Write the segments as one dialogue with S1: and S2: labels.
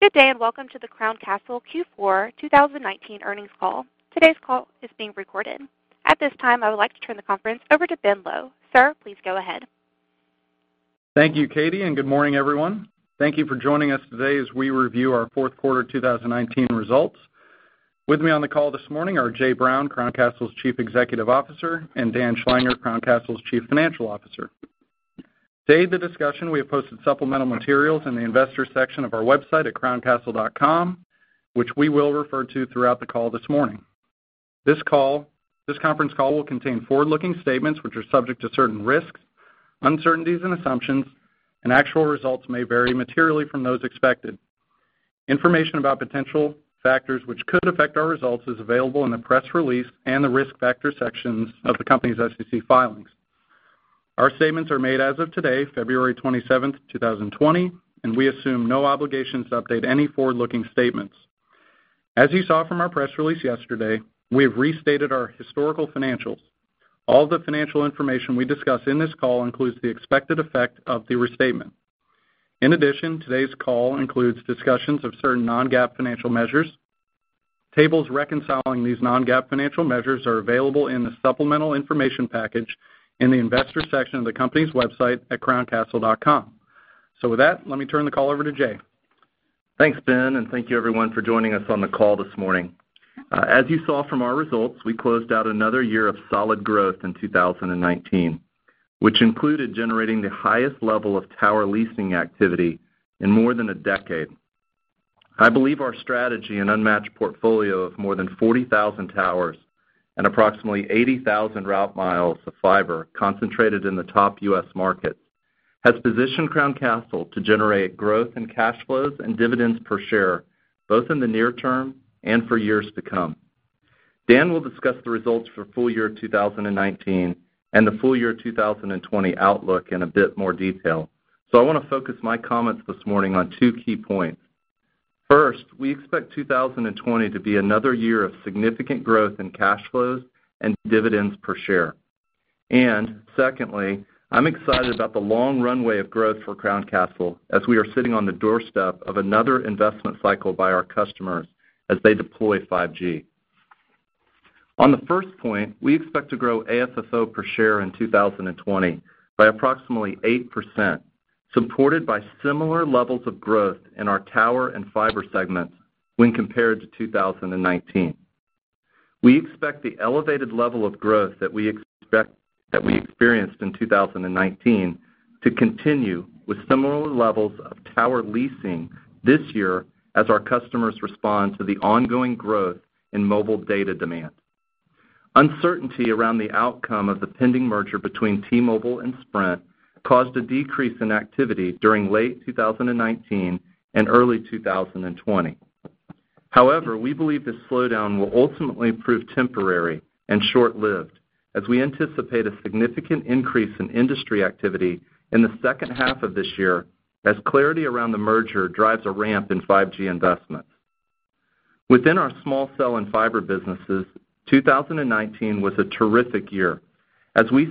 S1: Good day, welcome to the Crown Castle Q4 2019 earnings call. Today's call is being recorded. At this time, I would like to turn the conference over to Ben Lowe. Sir, please go ahead.
S2: Thank you, Katie. Good morning, everyone. Thank you for joining us today as we review our fourth quarter 2019 results. With me on the call this morning are Jay Brown, Crown Castle's Chief Executive Officer, and Dan Schlanger, Crown Castle's Chief Financial Officer. Today, the discussion, we have posted supplemental materials in the investor section of our website at crowncastle.com, which we will refer to throughout the call this morning. This conference call will contain forward-looking statements, which are subject to certain risks, uncertainties, and assumptions, and actual results may vary materially from those expected. Information about potential factors which could affect our results is available in the press release and the risk factor sections of the company's SEC filings. Our statements are made as of today, February 27th, 2020, and we assume no obligations to update any forward-looking statements. As you saw from our press release yesterday, we have restated our historical financials. All the financial information we discuss in this call includes the expected effect of the restatement. In addition, today's call includes discussions of certain non-GAAP financial measures. Tables reconciling these non-GAAP financial measures are available in the supplemental information package in the investor section of the company's website at crowncastle.com. With that, let me turn the call over to Jay.
S3: Thanks, Ben. Thank you, everyone, for joining us on the call this morning. As you saw from our results, we closed out another year of solid growth in 2019, which included generating the highest level of tower leasing activity in more than a decade. I believe our strategy and unmatched portfolio of more than 40,000 towers and approximately 80,000 route miles of fiber concentrated in the top U.S. markets has positioned Crown Castle to generate growth in cash flows and dividends per share, both in the near term and for years to come. Dan will discuss the results for full year 2019 and the full year 2020 outlook in a bit more detail. I want to focus my comments this morning on two key points. First, we expect 2020 to be another year of significant growth in cash flows and dividends per share. Secondly, I'm excited about the long runway of growth for Crown Castle as we are sitting on the doorstep of another investment cycle by our customers as they deploy 5G. On the first point, we expect to grow AFFO per share in 2020 by approximately 8%, supported by similar levels of growth in our tower and fiber segments when compared to 2019. We expect the elevated level of growth that we experienced in 2019 to continue with similar levels of tower leasing this year as our customers respond to the ongoing growth in mobile data demand. Uncertainty around the outcome of the pending merger between T-Mobile and Sprint caused a decrease in activity during late 2019 and early 2020. However, we believe this slowdown will ultimately prove temporary and short-lived as we anticipate a significant increase in industry activity in the second half of this year as clarity around the merger drives a ramp in 5G investments. Within our small cell and fiber businesses, 2019 was a terrific year as we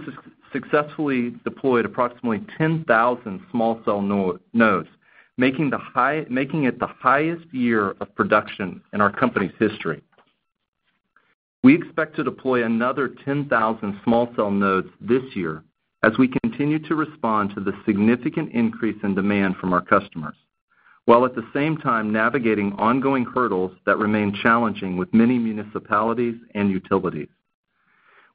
S3: successfully deployed approximately 10,000 small cell nodes, making it the highest year of production in our company's history. We expect to deploy another 10,000 small cell nodes this year as we continue to respond to the significant increase in demand from our customers, while at the same time navigating ongoing hurdles that remain challenging with many municipalities and utilities.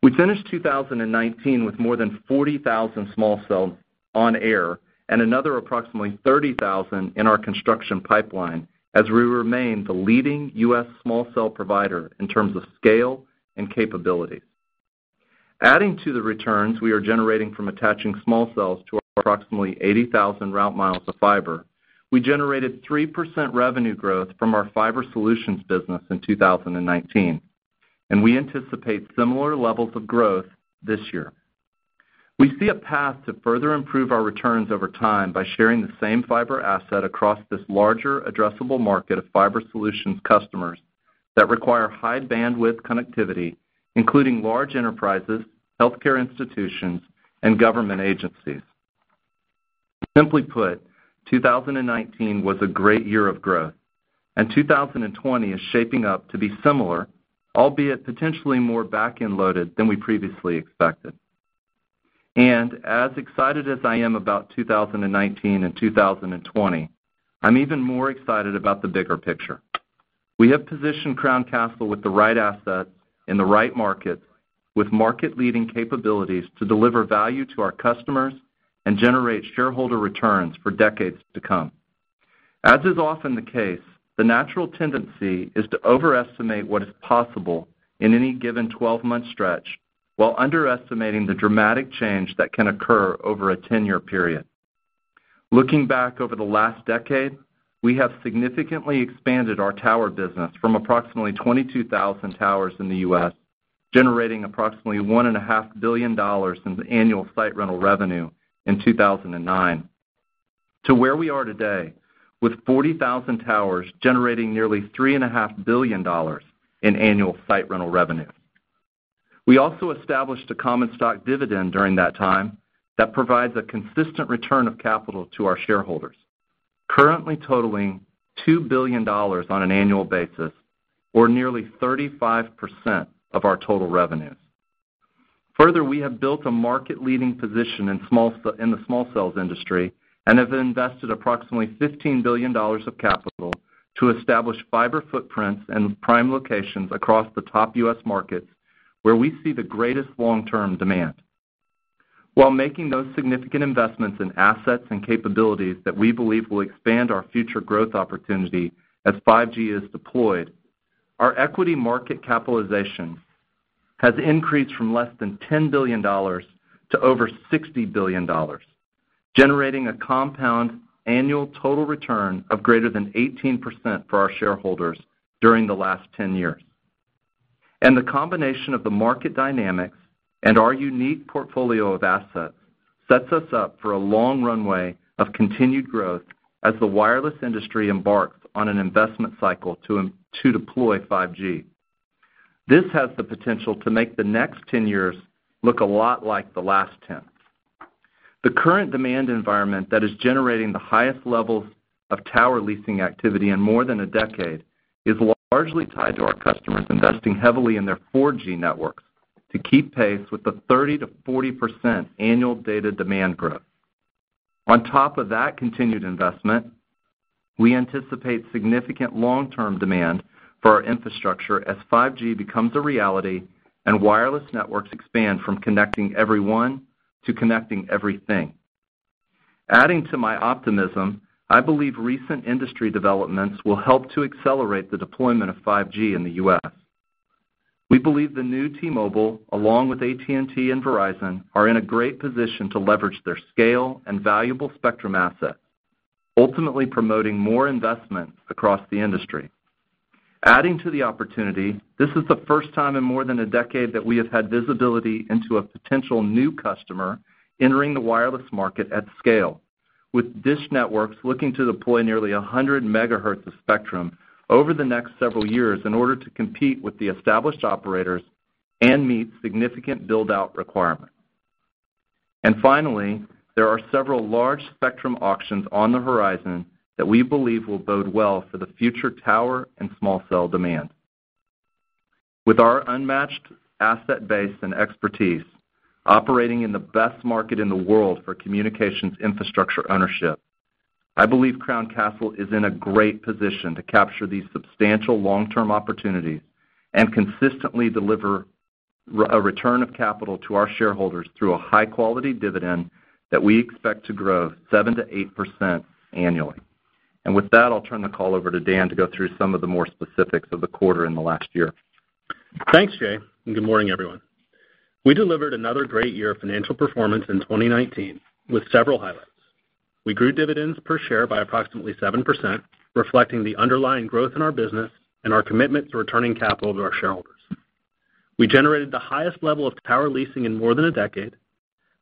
S3: We finished 2019 with more than 40,000 small cells on air and another approximately 30,000 in our construction pipeline as we remain the leading U.S. small cell provider in terms of scale and capabilities. Adding to the returns we are generating from attaching small cells to our approximately 80,000 route miles of fiber, we generated 3% revenue growth from our fiber solutions business in 2019, and we anticipate similar levels of growth this year. We see a path to further improve our returns over time by sharing the same fiber asset across this larger addressable market of fiber solutions customers that require high bandwidth connectivity, including large enterprises, healthcare institutions, and government agencies. Simply put, 2019 was a great year of growth, and 2020 is shaping up to be similar, albeit potentially more back-end loaded than we previously expected. As excited as I am about 2019 and 2020, I'm even more excited about the bigger picture. We have positioned Crown Castle with the right assets in the right markets with market-leading capabilities to deliver value to our customers and generate shareholder returns for decades to come. As is often the case, the natural tendency is to overestimate what is possible in any given 12-month stretch while underestimating the dramatic change that can occur over a 10-year period. Looking back over the last decade, we have significantly expanded our tower business from approximately 22,000 towers in the U.S., generating approximately $1.5 billion in annual site rental revenue in 2009, to where we are today with 40,000 towers generating nearly $3.5 billion in annual site rental revenue. We also established a common stock dividend during that time that provides a consistent return of capital to our shareholders, currently totaling $2 billion on an annual basis, or nearly 35% of our total revenues. Further, we have built a market-leading position in the small cells industry and have invested approximately $15 billion of capital to establish fiber footprints in prime locations across the top U.S. markets where we see the greatest long-term demand. While making those significant investments in assets and capabilities that we believe will expand our future growth opportunity as 5G is deployed, our equity market capitalization has increased from less than $10 billion to over $60 billion, generating a compound annual total return of greater than 18% for our shareholders during the last 10 years. The combination of the market dynamics and our unique portfolio of assets sets us up for a long runway of continued growth as the wireless industry embarks on an investment cycle to deploy 5G. This has the potential to make the next 10 years look a lot like the last 10. The current demand environment that is generating the highest levels of tower leasing activity in more than a decade is largely tied to our customers investing heavily in their 4G networks to keep pace with the 30%-40% annual data demand growth. On top of that continued investment, we anticipate significant long-term demand for our infrastructure as 5G becomes a reality and wireless networks expand from connecting everyone to connecting everything. Adding to my optimism, I believe recent industry developments will help to accelerate the deployment of 5G in the U.S. We believe the new T-Mobile, along with AT&T and Verizon, are in a great position to leverage their scale and valuable spectrum asset, ultimately promoting more investments across the industry. Adding to the opportunity, this is the first time in more than a decade that we have had visibility into a potential new customer entering the wireless market at scale, with Dish Network looking to deploy nearly 100 MHz of spectrum over the next several years in order to compete with the established operators and meet significant build-out requirements. Finally, there are several large spectrum auctions on the horizon that we believe will bode well for the future tower and small cell demand. With our unmatched asset base and expertise operating in the best market in the world for communications infrastructure ownership, I believe Crown Castle is in a great position to capture these substantial long-term opportunities and consistently deliver a return of capital to our shareholders through a high-quality dividend that we expect to grow 7%-8% annually. With that, I'll turn the call over to Dan to go through some of the more specifics of the quarter and the last year.
S4: Thanks, Jay, good morning, everyone. We delivered another great year of financial performance in 2019 with several highlights. We grew dividends per share by approximately 7%, reflecting the underlying growth in our business and our commitment to returning capital to our shareholders. We generated the highest level of tower leasing in more than a decade.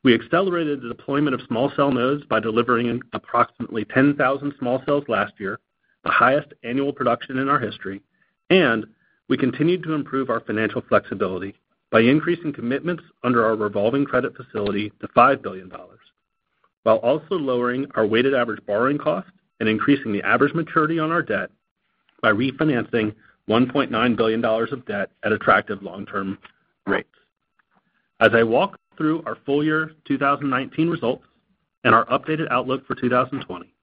S4: We accelerated the deployment of small cell nodes by delivering approximately 10,000 small cells last year, the highest annual production in our history. We continued to improve our financial flexibility by increasing commitments under our revolving credit facility to $5 billion, while also lowering our weighted average borrowing cost and increasing the average maturity on our debt by refinancing $1.9 billion of debt at attractive long-term rates. As I walk through our full year 2019 results and our updated outlook for 2020,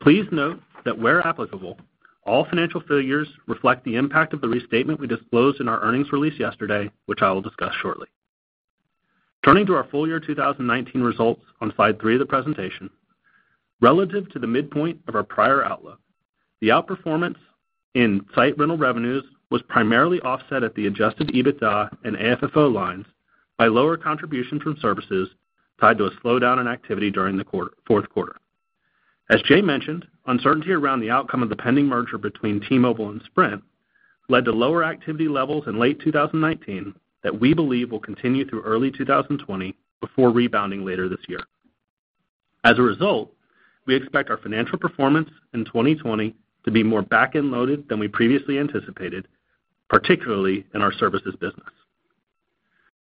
S4: please note that where applicable, all financial figures reflect the impact of the restatement we disclosed in our earnings release yesterday, which I will discuss shortly. Turning to our full year 2019 results on slide three of the presentation. Relative to the midpoint of our prior outlook, the outperformance in site rental revenues was primarily offset at the adjusted EBITDA and AFFO lines by lower contribution from services tied to a slowdown in activity during the fourth quarter. As Jay mentioned, uncertainty around the outcome of the pending merger between T-Mobile and Sprint led to lower activity levels in late 2019 that we believe will continue through early 2020 before rebounding later this year. As a result, we expect our financial performance in 2020 to be more back-end loaded than we previously anticipated, particularly in our services business.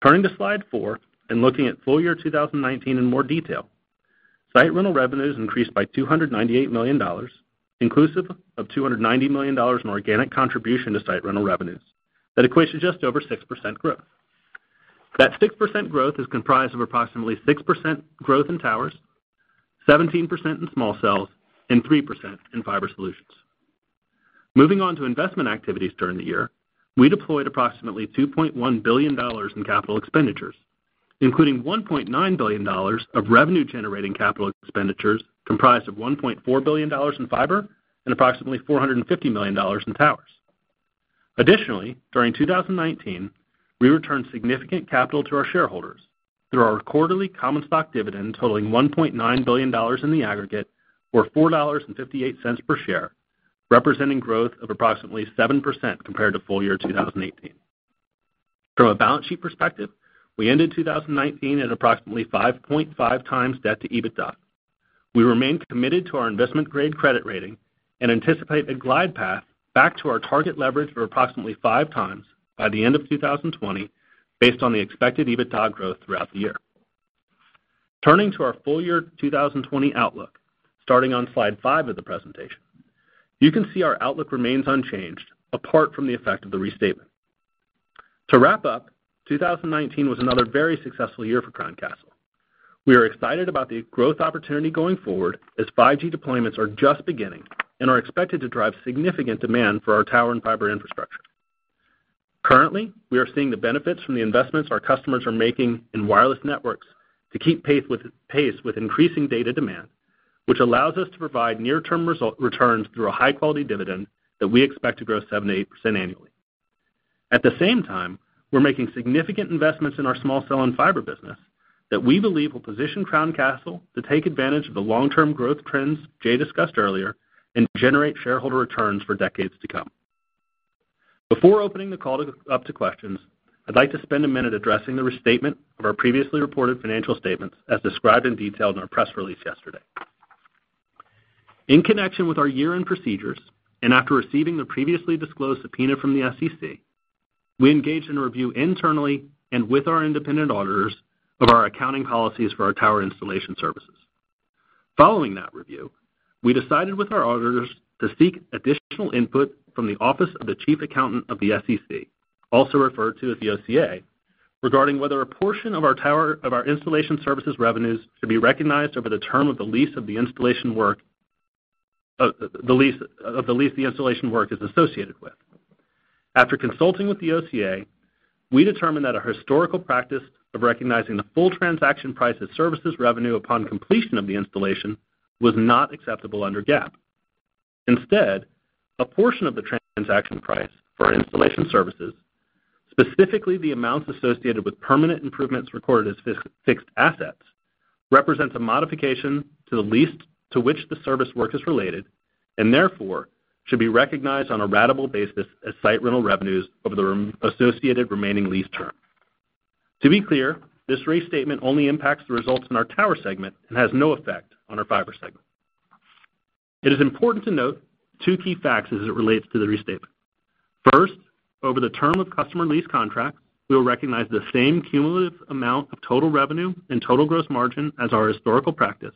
S4: Turning to slide four and looking at full year 2019 in more detail. Site rental revenues increased by $298 million, inclusive of $290 million in organic contribution to site rental revenues. That equates to just over 6% growth. That 6% growth is comprised of approximately 6% growth in towers, 17% in small cells, and 3% in fiber solutions. Moving on to investment activities during the year. We deployed approximately $2.1 billion in capital expenditures, including $1.9 billion of revenue-generating capital expenditures, comprised of $1.4 billion in fiber and approximately $450 million in towers. Additionally, during 2019, we returned significant capital to our shareholders through our quarterly common stock dividend totaling $1.9 billion in the aggregate or $4.58 per share, representing growth of approximately 7% compared to full year 2018. From a balance sheet perspective, we ended 2019 at approximately 5.5 times debt to EBITDA. We remain committed to our investment-grade credit rating and anticipate a glide path back to our target leverage of approximately 5 times by the end of 2020 based on the expected EBITDA growth throughout the year. Turning to our full year 2020 outlook, starting on slide five of the presentation. You can see our outlook remains unchanged apart from the effect of the restatement. To wrap up, 2019 was another very successful year for Crown Castle. We are excited about the growth opportunity going forward as 5G deployments are just beginning and are expected to drive significant demand for our tower and fiber infrastructure. Currently, we are seeing the benefits from the investments our customers are making in wireless networks to keep pace with increasing data demand, which allows us to provide near-term returns through a high-quality dividend that we expect to grow 7%-8% annually. At the same time, we're making significant investments in our small cell and fiber business that we believe will position Crown Castle to take advantage of the long-term growth trends Jay discussed earlier and generate shareholder returns for decades to come. Before opening the call up to questions, I'd like to spend a minute addressing the restatement of our previously reported financial statements, as described in detail in our press release yesterday. In connection with our year-end procedures, and after receiving the previously disclosed subpoena from the SEC, we engaged in a review internally and with our independent auditors of our accounting policies for our tower installation services. Following that review, we decided with our auditors to seek additional input from the Office of the Chief Accountant of the SEC, also referred to as the OCA, regarding whether a portion of our installation services revenues should be recognized over the term of the lease the installation work is associated with. After consulting with the OCA, we determined that a historical practice of recognizing the full transaction price of services revenue upon completion of the installation was not acceptable under GAAP. Instead, a portion of the transaction price for our installation services, specifically the amounts associated with permanent improvements recorded as fixed assets, represents a modification to the lease to which the service work is related, and therefore, should be recognized on a ratable basis as site rental revenues over the associated remaining lease term. To be clear, this restatement only impacts the results in our tower segment and has no effect on our fiber segment. It is important to note two key facts as it relates to the restatement. First, over the term of customer lease contract, we will recognize the same cumulative amount of total revenue and total gross margin as our historical practice.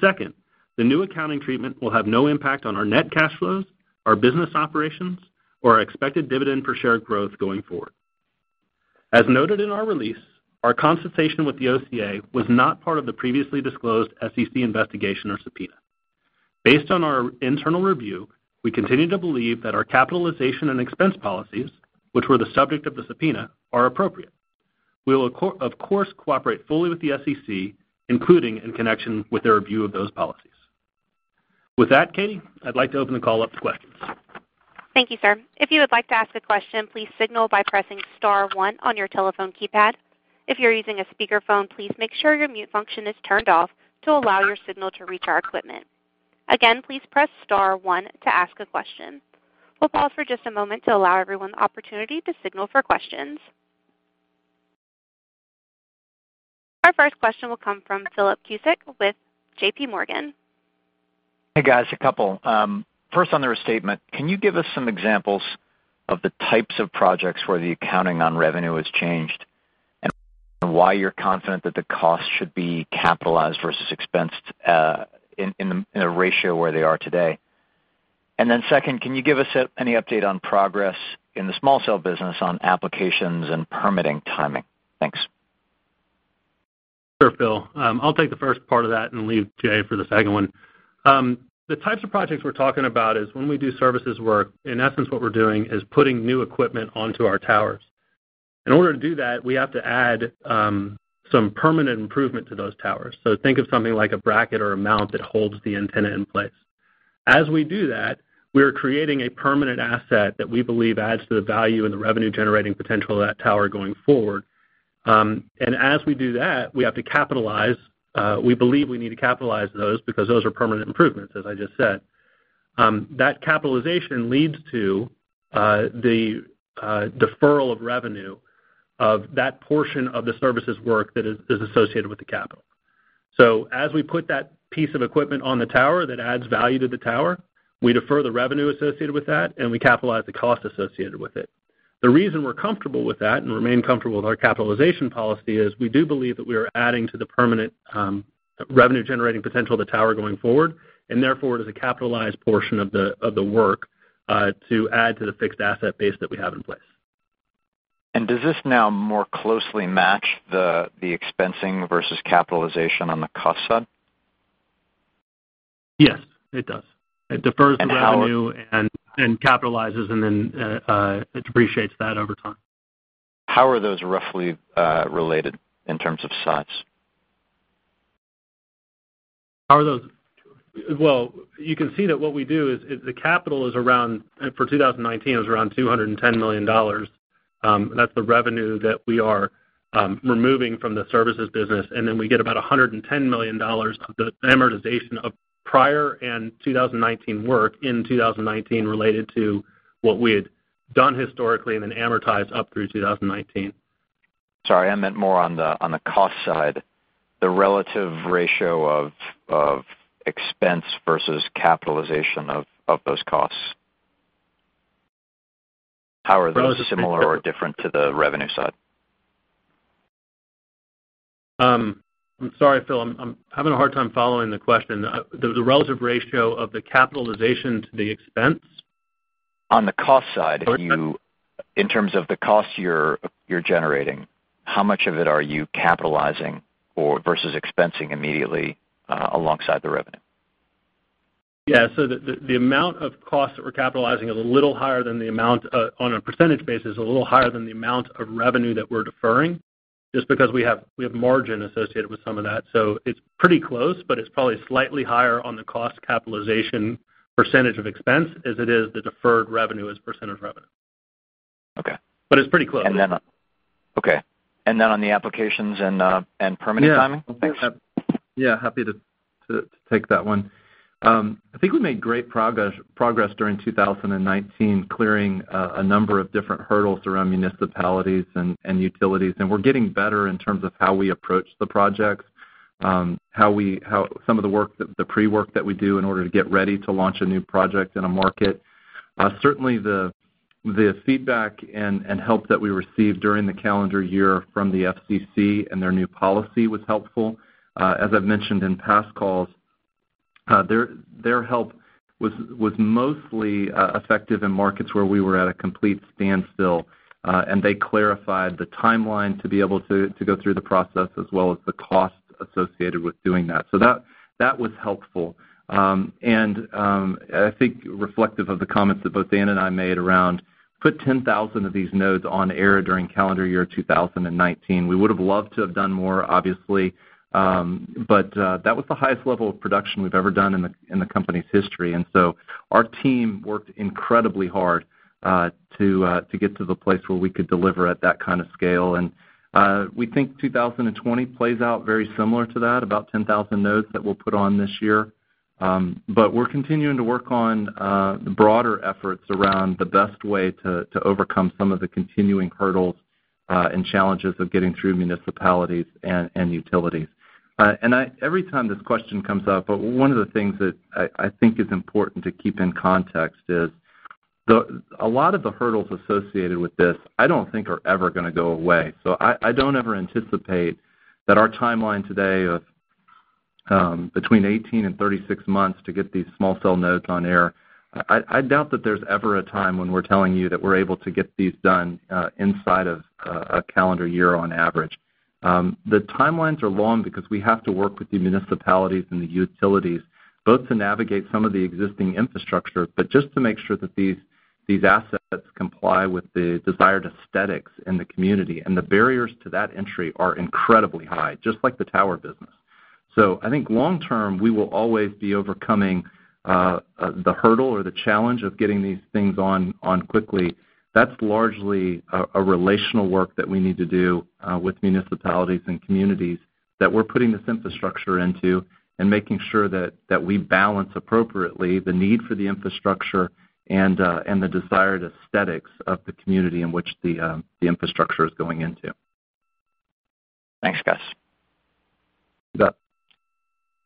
S4: Second, the new accounting treatment will have no impact on our net cash flows, our business operations, or our expected dividend per share growth going forward. As noted in our release, our consultation with the OCA was not part of the previously disclosed SEC investigation or subpoena. Based on our internal review, we continue to believe that our capitalization and expense policies, which were the subject of the subpoena, are appropriate. We will, of course, cooperate fully with the SEC, including in connection with their review of those policies. With that, Katie, I'd like to open the call up to questions.
S1: Thank you, sir. If you would like to ask a question, please signal by pressing star one on your telephone keypad. If you're using a speakerphone, please make sure your mute function is turned off to allow your signal to reach our equipment. Again, please press star one to ask a question. We'll pause for just a moment to allow everyone the opportunity to signal for questions. Our first question will come from Philip Cusick with JPMorgan.
S5: Hey, guys, a couple. First on the restatement, can you give us some examples of the types of projects where the accounting on revenue has changed and why you're confident that the cost should be capitalized versus expensed, in the ratio where they are today? Then second, can you give us any update on progress in the small cell business on applications and permitting timing? Thanks.
S4: Sure, Phil. I'll take the first part of that and leave Jay for the second one. The types of projects we're talking about is when we do services work, in essence, what we're doing is putting new equipment onto our towers. In order to do that, we have to add some permanent improvement to those towers. Think of something like a bracket or a mount that holds the antenna in place. As we do that, we are creating a permanent asset that we believe adds to the value and the revenue-generating potential of that tower going forward. As we do that, we believe we need to capitalize those because those are permanent improvements, as I just said. That capitalization leads to the deferral of revenue of that portion of the services work that is associated with the capital. As we put that piece of equipment on the tower that adds value to the tower, we defer the revenue associated with that, and we capitalize the cost associated with it. The reason we're comfortable with that and remain comfortable with our capitalization policy is we do believe that we are adding to the permanent revenue-generating potential of the tower going forward, and therefore it is a capitalized portion of the work to add to the fixed asset base that we have in place.
S5: Does this now more closely match the expensing versus capitalization on the cost side?
S4: Yes. It does.
S5: And how-
S4: The revenue and capitalizes and then it depreciates that over time.
S5: How are those roughly related in terms of size?
S4: Well, you can see that what we do is the capital for 2019 was around $210 million. That's the revenue that we are removing from the services business, and then we get about $110 million of the amortization of prior and 2019 work in 2019 related to what we had done historically and then amortized up through 2019.
S5: Sorry, I meant more on the cost side, the relative ratio of expense versus capitalization of those costs. How are those similar or different to the revenue side?
S4: I'm sorry, Phil, I'm having a hard time following the question. The relative ratio of the capitalization to the expense?
S5: On the cost side.
S4: Oh, sorry.
S5: In terms of the cost you're generating, how much of it are you capitalizing versus expensing immediately, alongside the revenue?
S4: Yeah. The amount of cost that we're capitalizing, on a percentage basis, is a little higher than the amount of revenue that we're deferring, just because we have margin associated with some of that. It's pretty close, but it's probably slightly higher on the cost capitalization percentage of expense as it is the deferred revenue as a percentage of revenue.
S5: Okay.
S4: It's pretty close.
S5: Okay. Then on the applications and permitting timing? Thanks.
S3: Yeah, happy to take that one. I think we made great progress during 2019, clearing a number of different hurdles around municipalities and utilities. We're getting better in terms of how we approach the projects, some of the pre-work that we do in order to get ready to launch a new project in a market. Certainly, the feedback and help that we received during the calendar year from the FCC and their new policy was helpful. As I've mentioned in past calls, their help was mostly effective in markets where we were at a complete standstill, and they clarified the timeline to be able to go through the process as well as the cost associated with doing that. That was helpful. I think reflective of the comments that both Dan and I made around, put 10,000 of these nodes on air during calendar year 2019. We would've loved to have done more, obviously. That was the highest level of production we've ever done in the company's history. Our team worked incredibly hard to get to the place where we could deliver at that kind of scale. We think 2020 plays out very similar to that, about 10,000 nodes that we'll put on this year. We're continuing to work on the broader efforts around the best way to overcome some of the continuing hurdles and challenges of getting through municipalities and utilities. Every time this question comes up, one of the things that I think is important to keep in context is, a lot of the hurdles associated with this I don't think are ever going to go away. I don't ever anticipate that our timeline today of between 18 and 36 months to get these small cell nodes on air, I doubt that there's ever a time when we're telling you that we're able to get these done inside of a calendar year on average. The timelines are long because we have to work with the municipalities and the utilities, both to navigate some of the existing infrastructure, but just to make sure that these assets comply with the desired aesthetics in the community. The barriers to that entry are incredibly high, just like the tower business. I think long term, we will always be overcoming the hurdle or the challenge of getting these things on quickly. That's largely a relational work that we need to do with municipalities and communities that we're putting this infrastructure into, and making sure that we balance appropriately the need for the infrastructure and the desired aesthetics of the community in which the infrastructure is going into.
S5: Thanks, guys.
S3: You bet.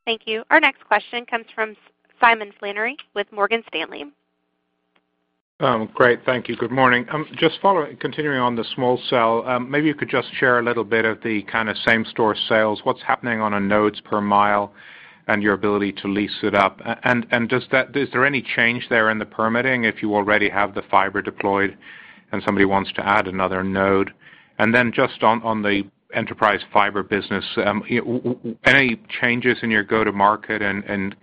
S1: Thank you. Our next question comes from Simon Flannery with Morgan Stanley.
S6: Great. Thank you. Good morning. Just continuing on the small cell, maybe you could just share a little bit of the same store sales. What's happening on a nodes per mile and your ability to lease it up? Is there any change there in the permitting if you already have the fiber deployed and somebody wants to add another node? Just on the enterprise fiber business, any changes in your go-to market and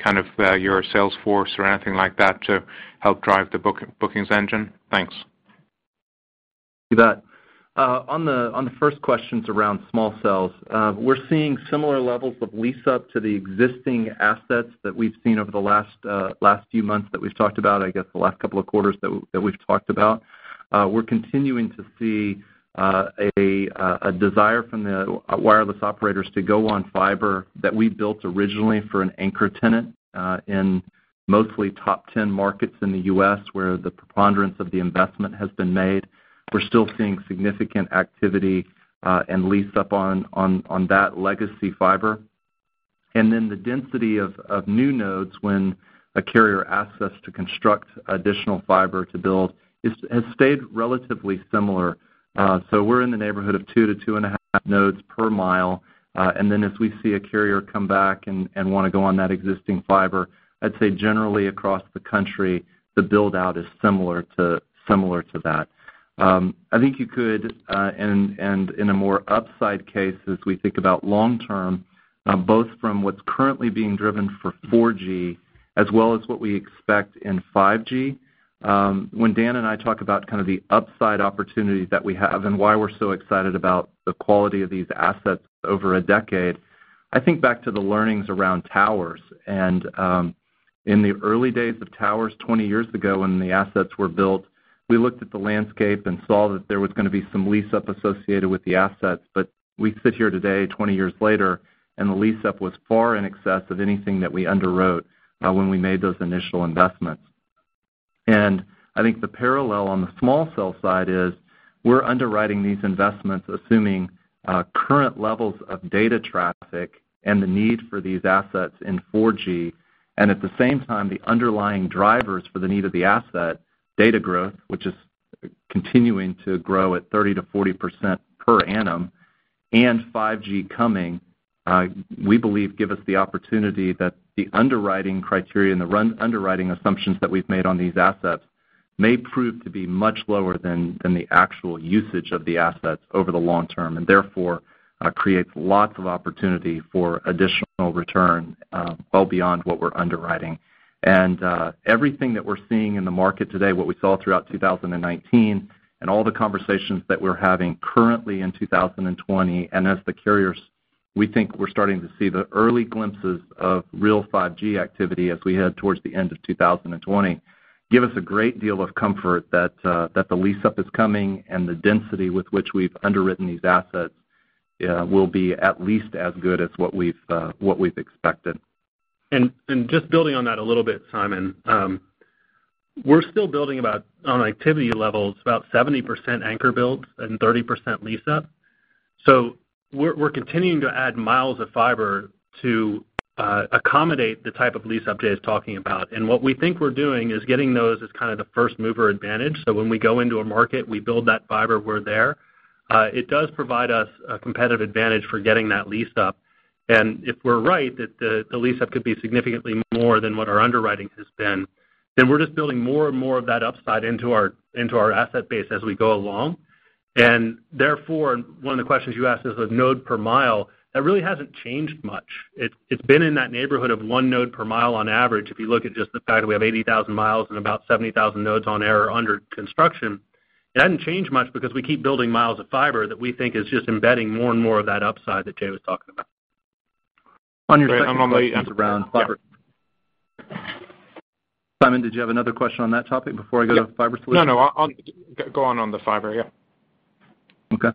S6: your sales force or anything like that to help drive the bookings engine? Thanks.
S3: You bet. On the first questions around small cells, we're seeing similar levels of lease-up to the existing assets that we've seen over the last few months that we've talked about, I guess, the last couple of quarters that we've talked about. We're continuing to see a desire from the wireless operators to go on fiber that we built originally for an anchor tenant, in mostly top 10 markets in the U.S., where the preponderance of the investment has been made. We're still seeing significant activity and lease-up on that legacy fiber. The density of new nodes when a carrier asks us to construct additional fiber to build has stayed relatively similar. We're in the neighborhood of 2 to 2.5 nodes per mile. Then as we see a carrier come back and want to go on that existing fiber, I'd say generally across the country, the build-out is similar to that. I think you could, in a more upside case as we think about long term, both from what's currently being driven for 4G as well as what we expect in 5G. When Dan and I talk about the upside opportunity that we have and why we're so excited about the quality of these assets over a decade, I think back to the learnings around towers. In the early days of towers 20 years ago, when the assets were built, we looked at the landscape and saw that there was going to be some lease-up associated with the assets. We sit here today, 20 years later, the lease-up was far in excess of anything that we underwrote when we made those initial investments. I think the parallel on the small cell side is we're underwriting these investments assuming current levels of data traffic and the need for these assets in 4G, and at the same time, the underlying drivers for the need of the asset, data growth, which is continuing to grow at 30%-40% per annum, and 5G coming, we believe give us the opportunity that the underwriting criteria and the underwriting assumptions that we've made on these assets may prove to be much lower than the actual usage of the assets over the long term, and therefore, creates lots of opportunity for additional return well beyond what we're underwriting. Everything that we're seeing in the market today, what we saw throughout 2019 and all the conversations that we're having currently in 2020, as the carriers, we think we're starting to see the early glimpses of real 5G activity as we head towards the end of 2020, give us a great deal of comfort that the lease-up is coming and the density with which we've underwritten these assets will be at least as good as what we've expected.
S4: Just building on that a little bit, Simon. We're still building about, on activity levels, about 70% anchor builds and 30% lease-up. We're continuing to add miles of fiber to accommodate the type of lease-up Jay's talking about. What we think we're doing is getting those as kind of the first-mover advantage. When we go into a market, we build that fiber, we're there. It does provide us a competitive advantage for getting that lease-up. If we're right, that the lease-up could be significantly more than what our underwriting has been, then we're just building more and more of that upside into our asset base as we go along. Therefore, one of the questions you asked is with node per mile, that really hasn't changed much. It's been in that neighborhood of one node per mile on average. If you look at just the fact we have 80,000 mi and about 70,000 nodes on air or under construction, it hasn't changed much because we keep building miles of fiber that we think is just embedding more and more of that upside that Jay was talking about.
S3: On your second question around fiber, Simon, did you have another question on that topic before I go to fiber solutions?
S6: No, no. Go on the fiber. Yeah.
S3: Okay.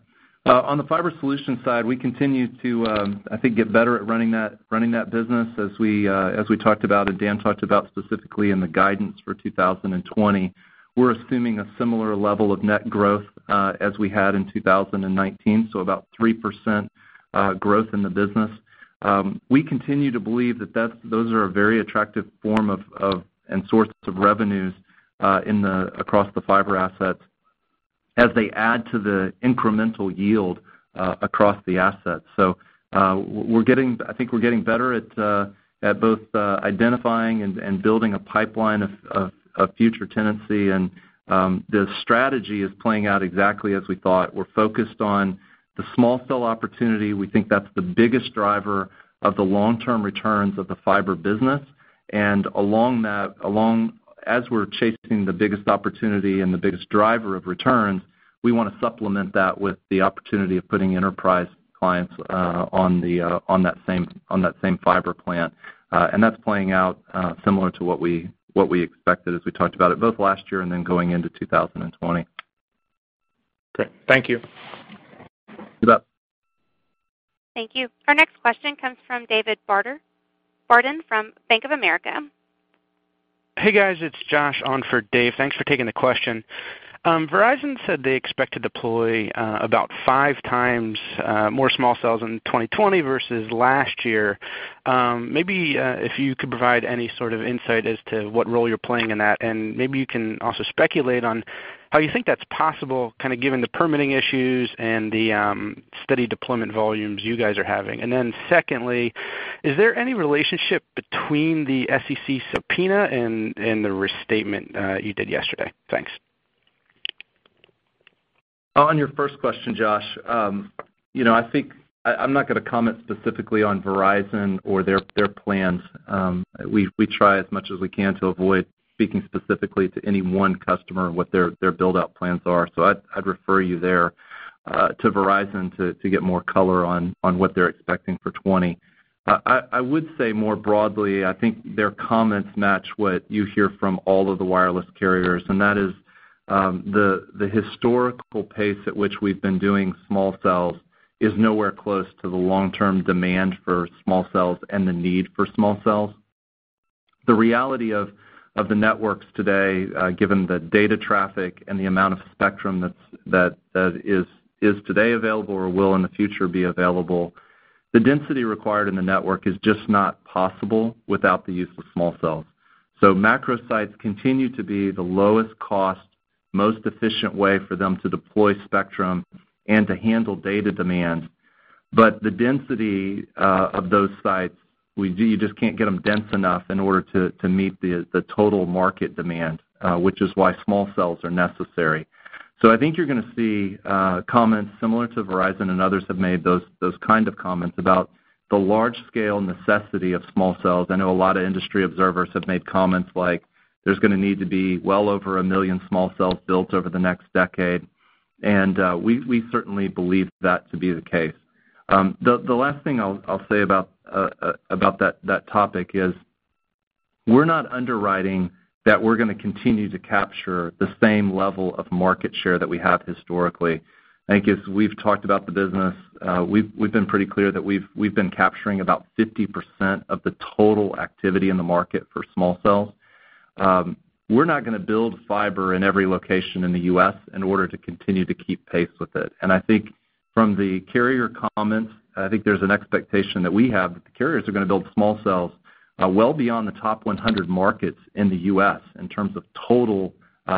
S3: On the fiber solution side, we continue to, I think, get better at running that business as we talked about and Dan talked about specifically in the guidance for 2020. We're assuming a similar level of net growth as we had in 2019. About 3% growth in the business. We continue to believe that those are a very attractive form of, and source of revenues across the fiber assets as they add to the incremental yield across the assets. I think we're getting better at both identifying and building a pipeline of future tenancy and the strategy is playing out exactly as we thought. We're focused on the small cell opportunity. We think that's the biggest driver of the long-term returns of the fiber business. As we're chasing the biggest opportunity and the biggest driver of returns, we want to supplement that with the opportunity of putting enterprise clients on that same fiber plant. That's playing out similar to what we expected as we talked about it both last year and then going into 2020. Great. Thank you. You bet.
S1: Thank you. Our next question comes from David Barden from Bank of America.
S7: Hey, guys, it's Josh on for Dave. Thanks for taking the question. Verizon said they expect to deploy about five times more small cells in 2020 versus last year. Maybe if you could provide any sort of insight as to what role you're playing in that, and maybe you can also speculate on how you think that's possible, kind of given the permitting issues and the steady deployment volumes you guys are having. Secondly, is any relationship between the SEC subpoena and the restatement you did yesterday? Thanks.
S3: On your first question, Josh. I'm not going to comment specifically on Verizon or their plans. We try as much as we can to avoid speaking specifically to any one customer and what their build-out plans are. I'd refer you there to Verizon to get more color on what they're expecting for 2020. I would say more broadly, I think their comments match what you hear from all of the wireless carriers, and that is the historical pace at which we've been doing small cells is nowhere close to the long-term demand for small cells and the need for small cells. The reality of the networks today, given the data traffic and the amount of spectrum that is today available or will in the future be available, the density required in the network is just not possible without the use of small cells. Macro sites continue to be the lowest cost, most efficient way for them to deploy spectrum and to handle data demand. The density of those sites, you just can't get them dense enough in order to meet the total market demand, which is why small cells are necessary. I think you're going to see comments similar to Verizon and others have made those kind of comments about the large scale necessity of small cells. I know a lot of industry observers have made comments like there's going to need to be well over 1 million small cells built over the next decade, and we certainly believe that to be the case. The last thing I'll say about that topic is we're not underwriting that we're going to continue to capture the same level of market share that we have historically. I think as we've talked about the business, we've been pretty clear that we've been capturing about 50% of the total activity in the market for small cells. We're not going to build fiber in every location in the U.S. in order to continue to keep pace with it. I think from the carrier comments, I think there's an expectation that we have that the carriers are going to build small cells well beyond the top 100 markets in the U.S. in terms of total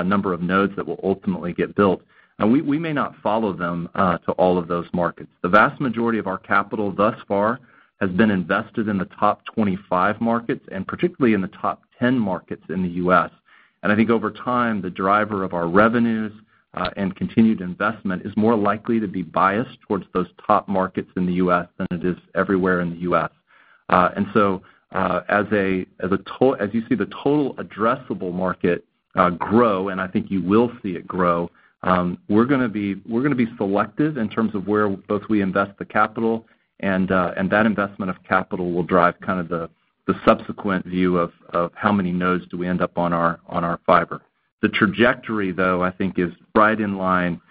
S3: number of nodes that will ultimately get built. We may not follow them to all of those markets. The vast majority of our capital thus far has been invested in the top 25 markets, and particularly in the top 10 markets in the U.S. I think over time, the driver of our revenues and continued investment is more likely to be biased towards those top markets in the U.S. than it is everywhere in the U.S. As you see the total addressable market grow, and I think you will see it grow, we're going to be selective in terms of where both we invest the capital and that investment of capital will drive kind of the subsequent view of how many nodes do we end up on our fiber. The trajectory, though, I think is right in line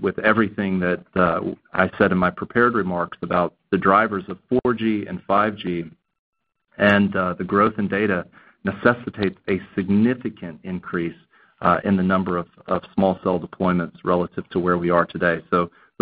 S3: with everything that I said in my prepared remarks about the drivers of 4G and 5G and the growth in data necessitates a significant increase in the number of small cell deployments relative to where we are today.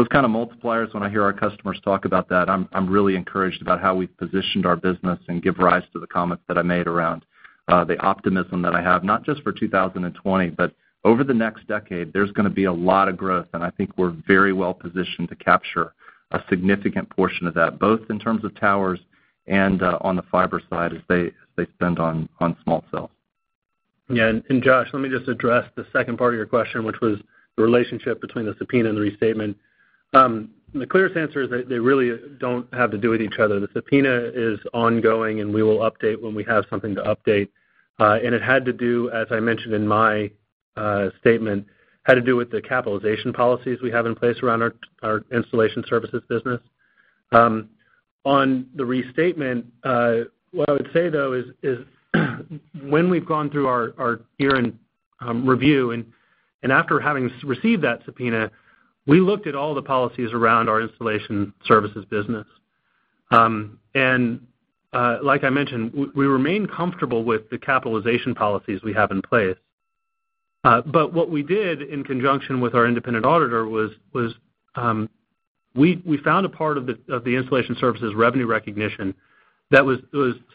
S3: Those kind of multipliers, when I hear our customers talk about that, I'm really encouraged about how we've positioned our business and give rise to the comments that I made around the optimism that I have, not just for 2020, but over the next decade. There's going to be a lot of growth, and I think we're very well positioned to capture a significant portion of that, both in terms of towers and on the fiber side as they spend on small cells.
S4: Yeah. Josh, let me just address the second part of your question, which was the relationship between the subpoena and the restatement. The clearest answer is they really don't have to do with each other. The subpoena is ongoing, and we will update when we have something to update. It had to do, as I mentioned in my statement, had to do with the capitalization policies we have in place around our installation services business. On the restatement, what I would say, though, is when we've gone through our year-end review, and after having received that subpoena, we looked at all the policies around our installation services business. Like I mentioned, we remain comfortable with the capitalization policies we have in place. What we did in conjunction with our independent auditor was, we found a part of the installation services revenue recognition that was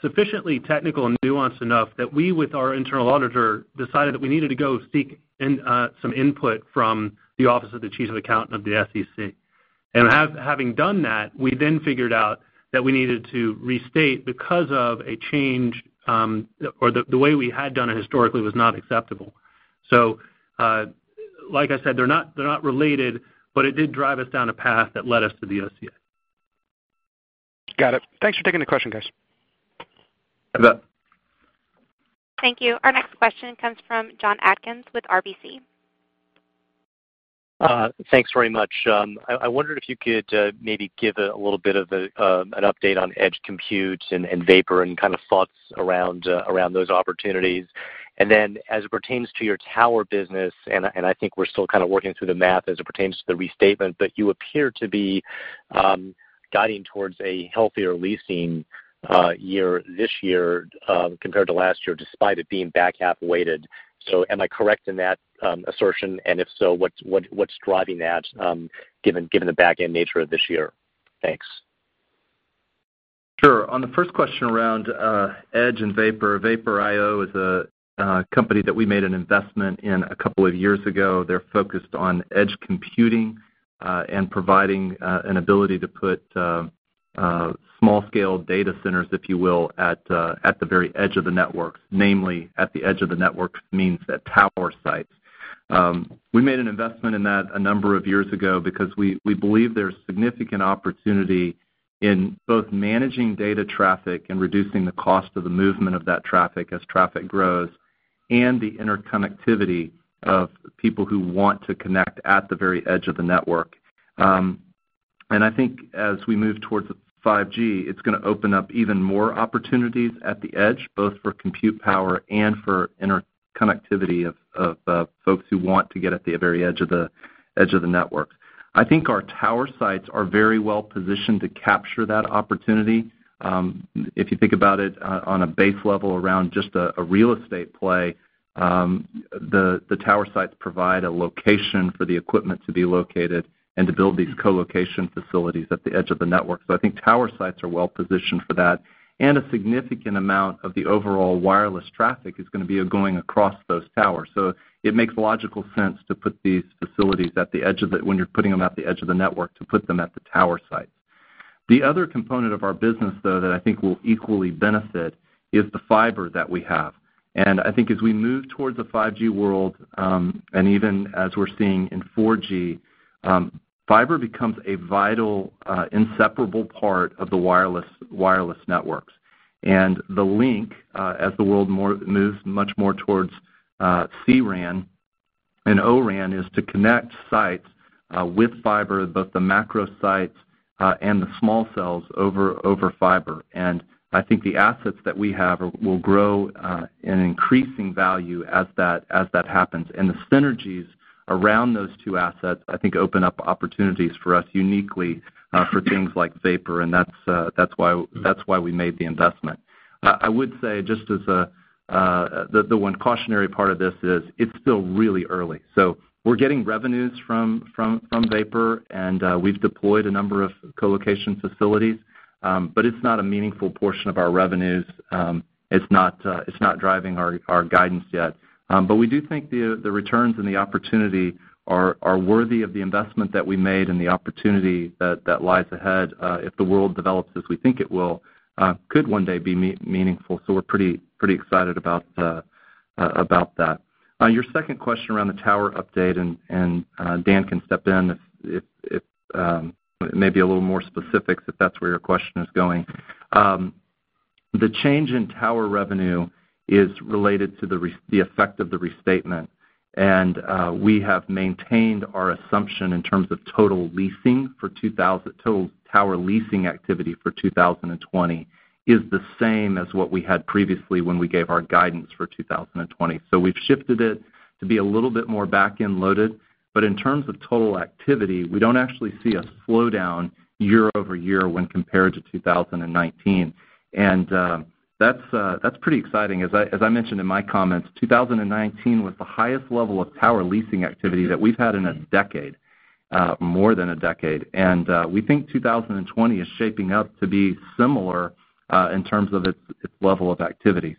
S4: sufficiently technical and nuanced enough that we, with our internal auditor, decided that we needed to go seek some input from the Office of the Chief Accountant of the SEC. Having done that, we then figured out that we needed to restate because of a change, or the way we had done it historically was not acceptable. Like I said, they're not related, but it did drive us down a path that led us to the OCA.
S7: Got it. Thanks for taking the question, guys.
S3: You bet.
S1: Thank you. Our next question comes from Jon Atkin with RBC.
S8: Thanks very much. I wondered if you could maybe give a little bit of an update on Edge computing and Vapor and kind of thoughts around those opportunities. As it pertains to your tower business, I think we're still kind of working through the math as it pertains to the restatement, you appear to be guiding towards a healthier leasing year this year compared to last year, despite it being back half weighted. Am I correct in that assertion? If so, what's driving that given the back-end nature of this year? Thanks.
S3: Sure. On the first question around Edge and Vapor. Vapor IO is a company that we made an investment in a couple of years ago. They're focused on edge computing, and providing an ability to put small-scale data centers, if you will, at the very edge of the networks, namely at the edge of the networks means at tower sites. We made an investment in that a number of years ago because we believe there's significant opportunity in both managing data traffic and reducing the cost of the movement of that traffic as traffic grows, and the interconnectivity of people who want to connect at the very edge of the network. I think as we move towards 5G, it's going to open up even more opportunities at the edge, both for compute power and for interconnectivity of folks who want to get at the very edge of the network. I think our tower sites are very well positioned to capture that opportunity. If you think about it on a base level around just a real estate play, the tower sites provide a location for the equipment to be located and to build these co-location facilities at the edge of the network. I think tower sites are well positioned for that, and a significant amount of the overall wireless traffic is going to be going across those towers. It makes logical sense to put these facilities when you're putting them at the edge of the network, to put them at the tower sites. The other component of our business, though, that I think will equally benefit is the fiber that we have. I think as we move towards a 5G world, and even as we're seeing in 4G, fiber becomes a vital, inseparable part of the wireless networks. The link, as the world moves much more towards C-RAN and O-RAN, is to connect sites with fiber, both the macro sites and the small cells over fiber. I think the assets that we have will grow in increasing value as that happens. The synergies around those two assets, I think, open up opportunities for us uniquely for things like Vapor, and that's why we made the investment. I would say, just as the one cautionary part of this is, it's still really early. We're getting revenues from Vapor, and we've deployed a number of co-location facilities. It's not a meaningful portion of our revenues. It's not driving our guidance yet. We do think the returns and the opportunity are worthy of the investment that we made and the opportunity that lies ahead, if the world develops as we think it will, could one day be meaningful. We're pretty excited about that. Your second question around the tower update, and Dan can step in if maybe a little more specifics if that's where your question is going. The change in tower revenue is related to the effect of the restatement. We have maintained our assumption in terms of total tower leasing activity for 2020 is the same as what we had previously when we gave our guidance for 2020. We've shifted it to be a little bit more back-end loaded. In terms of total activity, we don't actually see a slowdown year-over-year when compared to 2019. That's pretty exciting. As I mentioned in my comments, 2019 was the highest level of tower leasing activity that we've had in a decade, more than a decade. We think 2020 is shaping up to be similar in terms of its level of activity.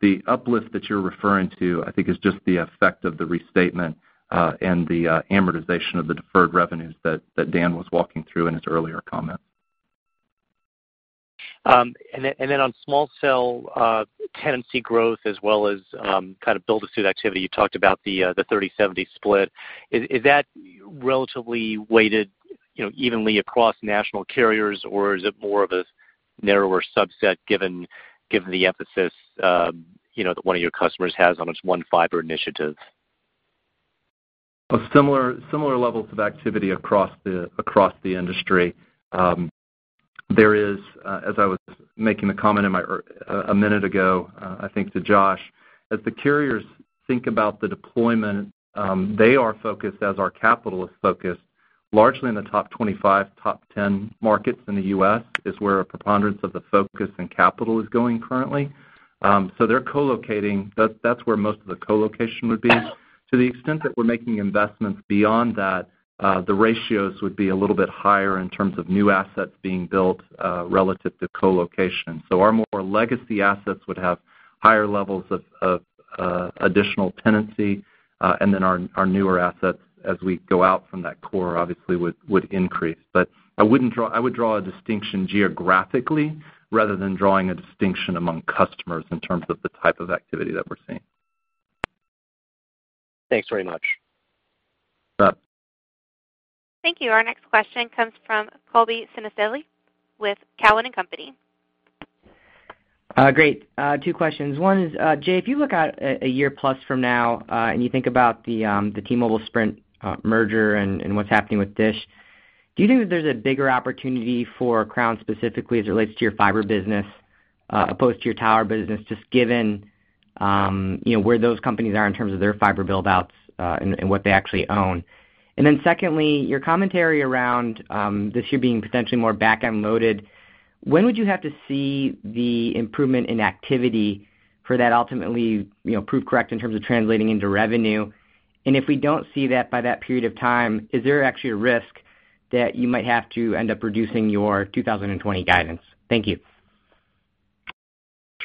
S3: The uplift that you're referring to, I think, is just the effect of the restatement and the amortization of the deferred revenues that Dan was walking through in his earlier comment.
S8: Then on small cell tenancy growth as well as build to suit activity, you talked about the 30/70 split. Is that relatively weighted evenly across national carriers, or is it more of a narrower subset given the emphasis that one of your customers has on its One Fiber initiative?
S3: Similar levels of activity across the industry. There is, as I was making the comment a minute ago, I think, to Josh, as the carriers think about the deployment, they are focused as our capital focus, largely in the top 25, top 10 markets in the U.S. is where a preponderance of the focus and capital is going currently. They're co-locating. That's where most of the co-location would be. To the extent that we're making investments beyond that, the ratios would be a little bit higher in terms of new assets being built relative to co-location. Our more legacy assets would have higher levels of additional tenancy. Our newer assets as we go out from that core, obviously, would increase. I would draw a distinction geographically rather than drawing a distinction among customers in terms of the type of activity that we're seeing.
S8: Thanks very much.
S3: No problem.
S1: Thank you. Our next question comes from Colby Synesael with Cowen and Company.
S9: Great. Two questions. One is, Jay, if you look out a year plus from now and you think about the T-Mobile, Sprint merger and what's happening with Dish, do you think that there's a bigger opportunity for Crown specifically as it relates to your fiber business as opposed to your tower business, just given where those companies are in terms of their fiber build-outs and what they actually own? Secondly, your commentary around this year being potentially more back-end loaded, when would you have to see the improvement in activity for that ultimately prove correct in terms of translating into revenue? If we don't see that by that period of time, is there actually a risk that you might have to end up reducing your 2020 guidance? Thank you.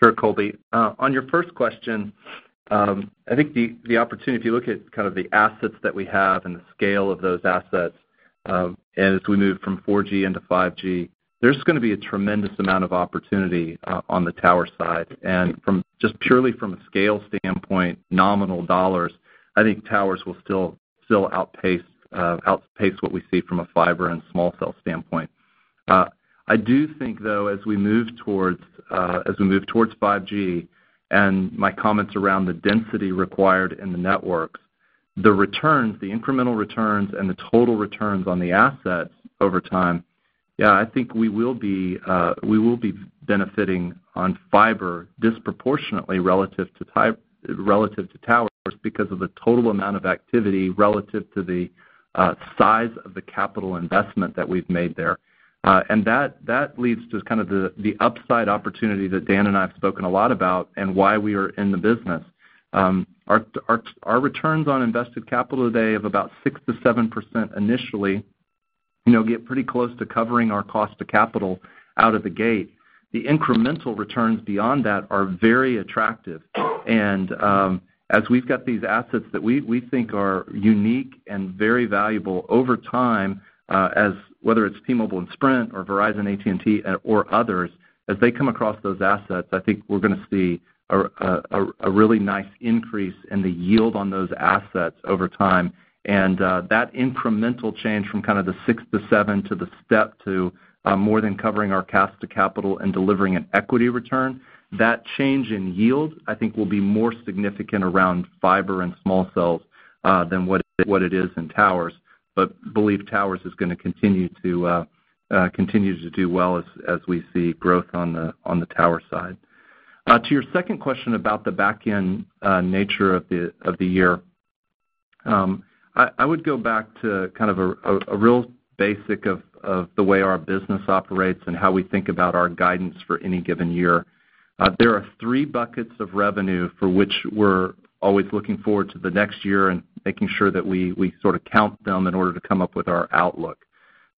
S3: Sure, Colby. On your first question, I think the opportunity, if you look at kind of the assets that we have and the scale of those assets as we move from 4G into 5G, there's going to be a tremendous amount of opportunity on the tower side. Just purely from a scale standpoint, nominal dollars, I think towers will still outpace what we see from a fiber and small cell standpoint. I do think, though, as we move towards 5G and my comments around the density required in the networks, the incremental returns and the total returns on the assets over time, yeah, I think we will be benefiting on fiber disproportionately relative to towers because of the total amount of activity relative to the size of the capital investment that we've made there. That leads to kind of the upside opportunity that Dan and I have spoken a lot about and why we are in the business. Our returns on invested capital today of about 6%-7% initially, get pretty close to covering our cost to capital out of the gate. The incremental returns beyond that are very attractive. As we've got these assets that we think are unique and very valuable over time, whether it's T-Mobile and Sprint or Verizon, AT&T or others, as they come across those assets, I think we're going to see a really nice increase in the yield on those assets over time. That incremental change from kind of the 6%-7% to the step to more than covering our cost to capital and delivering an equity return, that change in yield, I think will be more significant around fiber and small cells than what it is in towers, but believe towers is going to continue to do well as we see growth on the tower side. To your second question about the back-end nature of the year. I would go back to a real basic of the way our business operates and how we think about our guidance for any given year. There are three buckets of revenue for which we're always looking forward to the next year and making sure that we sort of count them in order to come up with our outlook.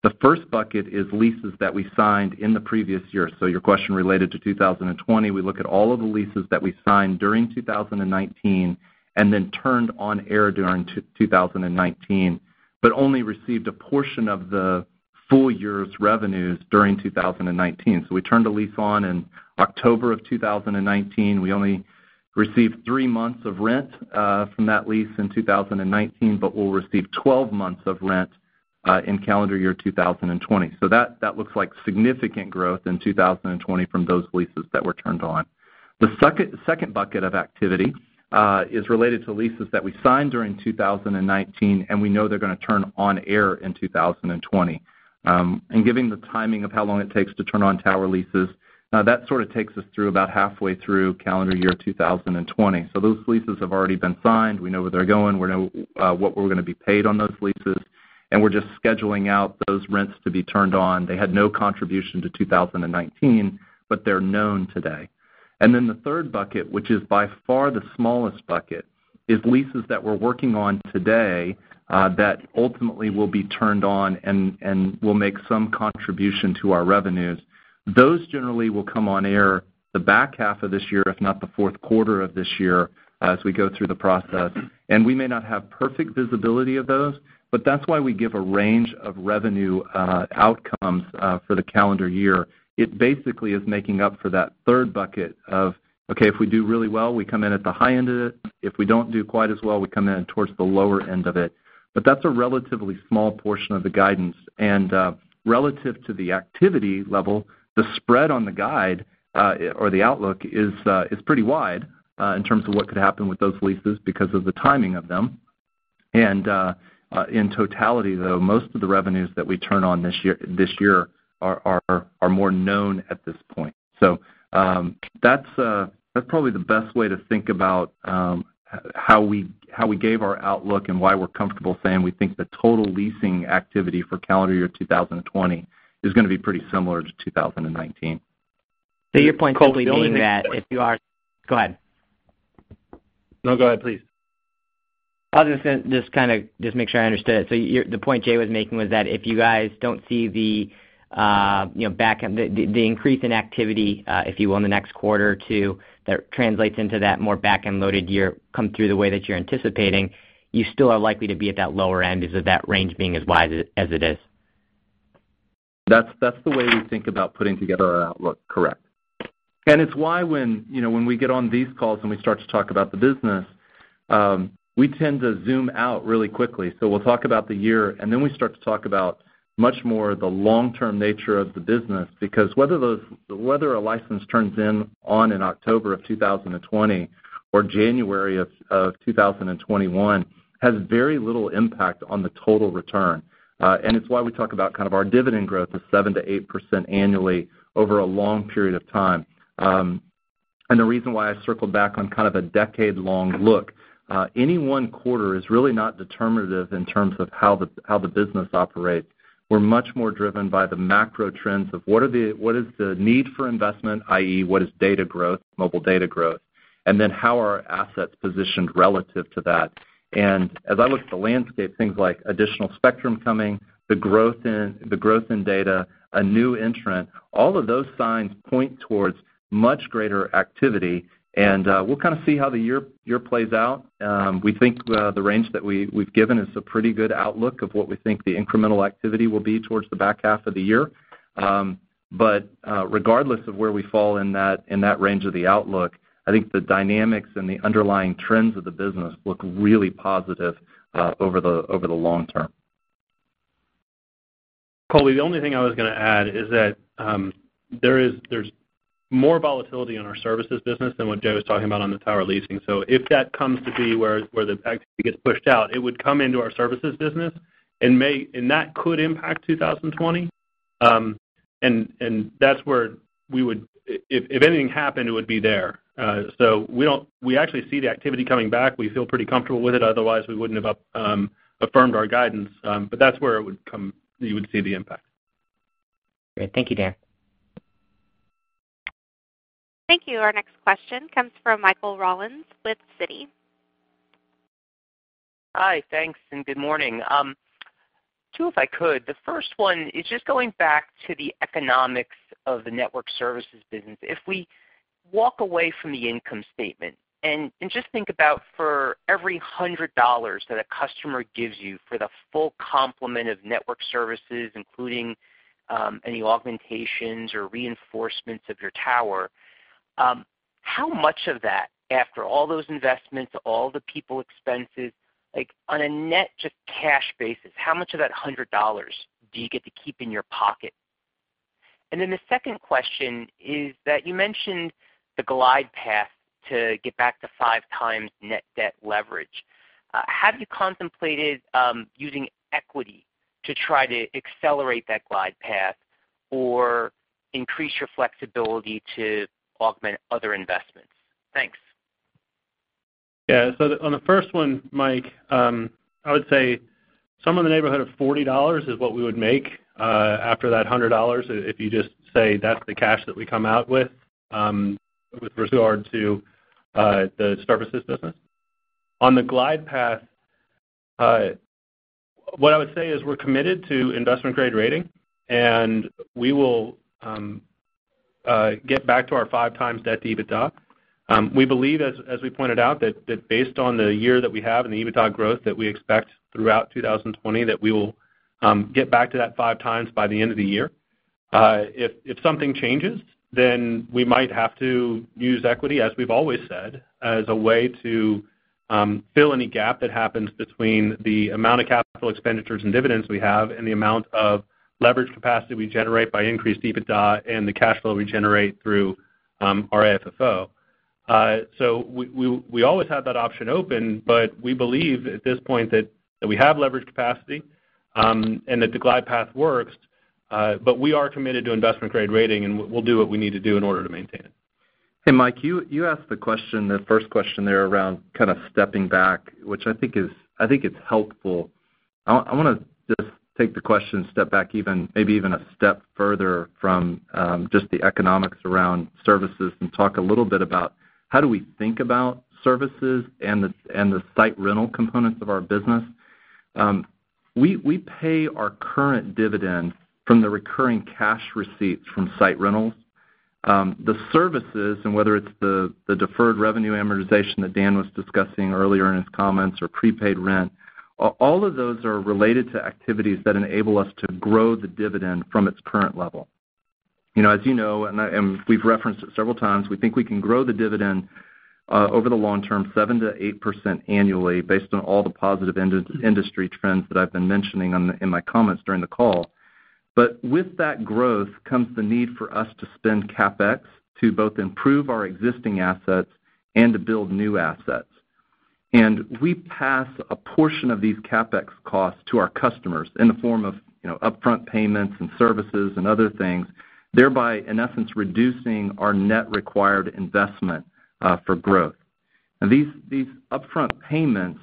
S3: The first bucket is leases that we signed in the previous year. Your question related to 2020, we look at all of the leases that we signed during 2019 and then turned on air during 2019, but only received a portion of the full year's revenues during 2019. We turned a lease on in October of 2019. We only received three months of rent from that lease in 2019, but we'll receive 12 months of rent in calendar year 2020. That looks like significant growth in 2020 from those leases that were turned on. The second bucket of activity is related to leases that we signed during 2019, and we know they're going to turn on air in 2020. Given the timing of how long it takes to turn on tower leases, that sort of takes us through about halfway through calendar year 2020. Those leases have already been signed. We know where they're going, we know what we're going to be paid on those leases, and we're just scheduling out those rents to be turned on. They had no contribution to 2019, but they're known today. The third bucket, which is by far the smallest bucket, is leases that we're working on today that ultimately will be turned on and will make some contribution to our revenues. Those generally will come on air the back half of this year, if not the fourth quarter of this year as we go through the process. We may not have perfect visibility of those, but that's why we give a range of revenue outcomes for the calendar year. It basically is making up for that third bucket of, okay, if we do really well, we come in at the high end of it. If we don't do quite as well, we come in towards the lower end of it. That's a relatively small portion of the guidance. Relative to the activity level, the spread on the guide or the outlook is pretty wide in terms of what could happen with those leases because of the timing of them. In totality, though, most of the revenues that we turn on this year are more known at this point. That's probably the best way to think about how we gave our outlook and why we're comfortable saying we think the total leasing activity for calendar year 2020 is going to be pretty similar to 2019.
S9: Your point's basically meaning that if you. Go ahead.
S3: No, go ahead, please.
S9: I was just going to make sure I understood. The point Jay was making was that if you guys don't see the increase in activity, if you will, in the next quarter or two that translates into that more back-end loaded year come through the way that you're anticipating, you still are likely to be at that lower end because of that range being as wide as it is.
S3: That's the way we think about putting together our outlook. Correct. It's why when we get on these calls and we start to talk about the business, we tend to zoom out really quickly. We'll talk about the year, and then we start to talk about much more the long-term nature of the business, because whether a license turns on in October of 2020 or January of 2021 has very little impact on the total return. It's why we talk about our dividend growth of 7%-8% annually over a long period of time. The reason why I circled back on kind of a decade-long look, any one quarter is really not determinative in terms of how the business operates. We're much more driven by the macro trends of what is the need for investment, i.e. what is data growth, mobile data growth, and then how are our assets positioned relative to that. As I look at the landscape, things like additional spectrum coming, the growth in data, a new entrant, all of those signs point towards much greater activity, and we'll kind of see how the year plays out. We think the range that we've given is a pretty good outlook of what we think the incremental activity will be towards the back half of the year. Regardless of where we fall in that range of the outlook, I think the dynamics and the underlying trends of the business look really positive over the long term.
S4: Colby, the only thing I was going to add is that there's more volatility in our services business than what Jay was talking about on the tower leasing. If that comes to be where the activity gets pushed out, it would come into our services business, and that could impact 2020. That's where if anything happened, it would be there. We actually see the activity coming back. We feel pretty comfortable with it, otherwise we wouldn't have affirmed our guidance. That's where you would see the impact.
S9: Great. Thank you, Dan.
S1: Thank you. Our next question comes from Michael Rollins with Citi.
S10: Hi. Thanks, good morning. Two, if I could. The first one is just going back to the economics of the network services business. If we walk away from the income statement and just think about for every $100 that a customer gives you for the full complement of network services, including any augmentations or reinforcements of your tower, how much of that, after all those investments, all the people expenses, like on a net, just cash basis, how much of that $100 do you get to keep in your pocket? The second question is that you mentioned the glide path to get back to five times net debt leverage. Have you contemplated using equity to try to accelerate that glide path or increase your flexibility to augment other investments. Thanks.
S4: On the first one, Mike, I would say somewhere in the neighborhood of $40 is what we would make after that $100, if you just say that's the cash that we come out with regard to the services business. On the glide path, what I would say is we're committed to investment-grade rating, and we will get back to our five times debt to EBITDA. We believe, as we pointed out, that based on the year that we have and the EBITDA growth that we expect throughout 2020, that we will get back to that five times by the end of the year. If something changes, then we might have to use equity, as we've always said, as a way to fill any gap that happens between the amount of capital expenditures and dividends we have and the amount of leverage capacity we generate by increased EBITDA and the cash flow we generate through our AFFO. We always have that option open, but we believe at this point that we have leverage capacity, and that the glide path works. We are committed to investment-grade rating, and we'll do what we need to do in order to maintain it. And Mike, you asked the question, the first question there around kind of stepping back, which I think it's helpful. I want to just take the question, step back maybe even a step further from just the economics around services and talk a little bit about how do we think about services and the site rental components of our business. We pay our current dividends from the recurring cash receipts from site rentals. The services, whether it's the deferred revenue amortization that Dan was discussing earlier in his comments or prepaid rent, all of those are related to activities that enable us to grow the dividend from its current level. As you know, and we've referenced it several times, we think we can grow the dividend over the long term 7%-8% annually based on all the positive industry trends that I've been mentioning in my comments during the call. With that growth comes the need for us to spend CapEx to both improve our existing assets and to build new assets. We pass a portion of these CapEx costs to our customers in the form of upfront payments and services and other things, thereby, in essence, reducing our net required investment for growth. Now, these upfront payments,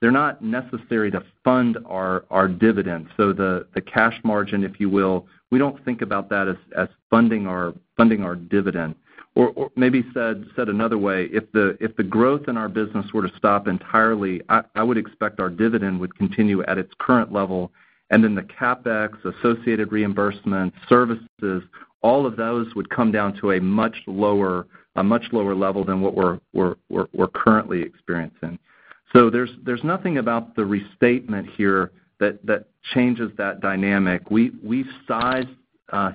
S4: they're not necessary to fund our dividends. The cash margin, if you will, we don't think about that as funding our dividend. Maybe said another way, if the growth in our business were to stop entirely, I would expect our dividend would continue at its current level, then the CapEx, associated reimbursement, services, all of those would come down to a much lower level than what we're currently experiencing. There's nothing about the restatement here that changes that dynamic. We've sized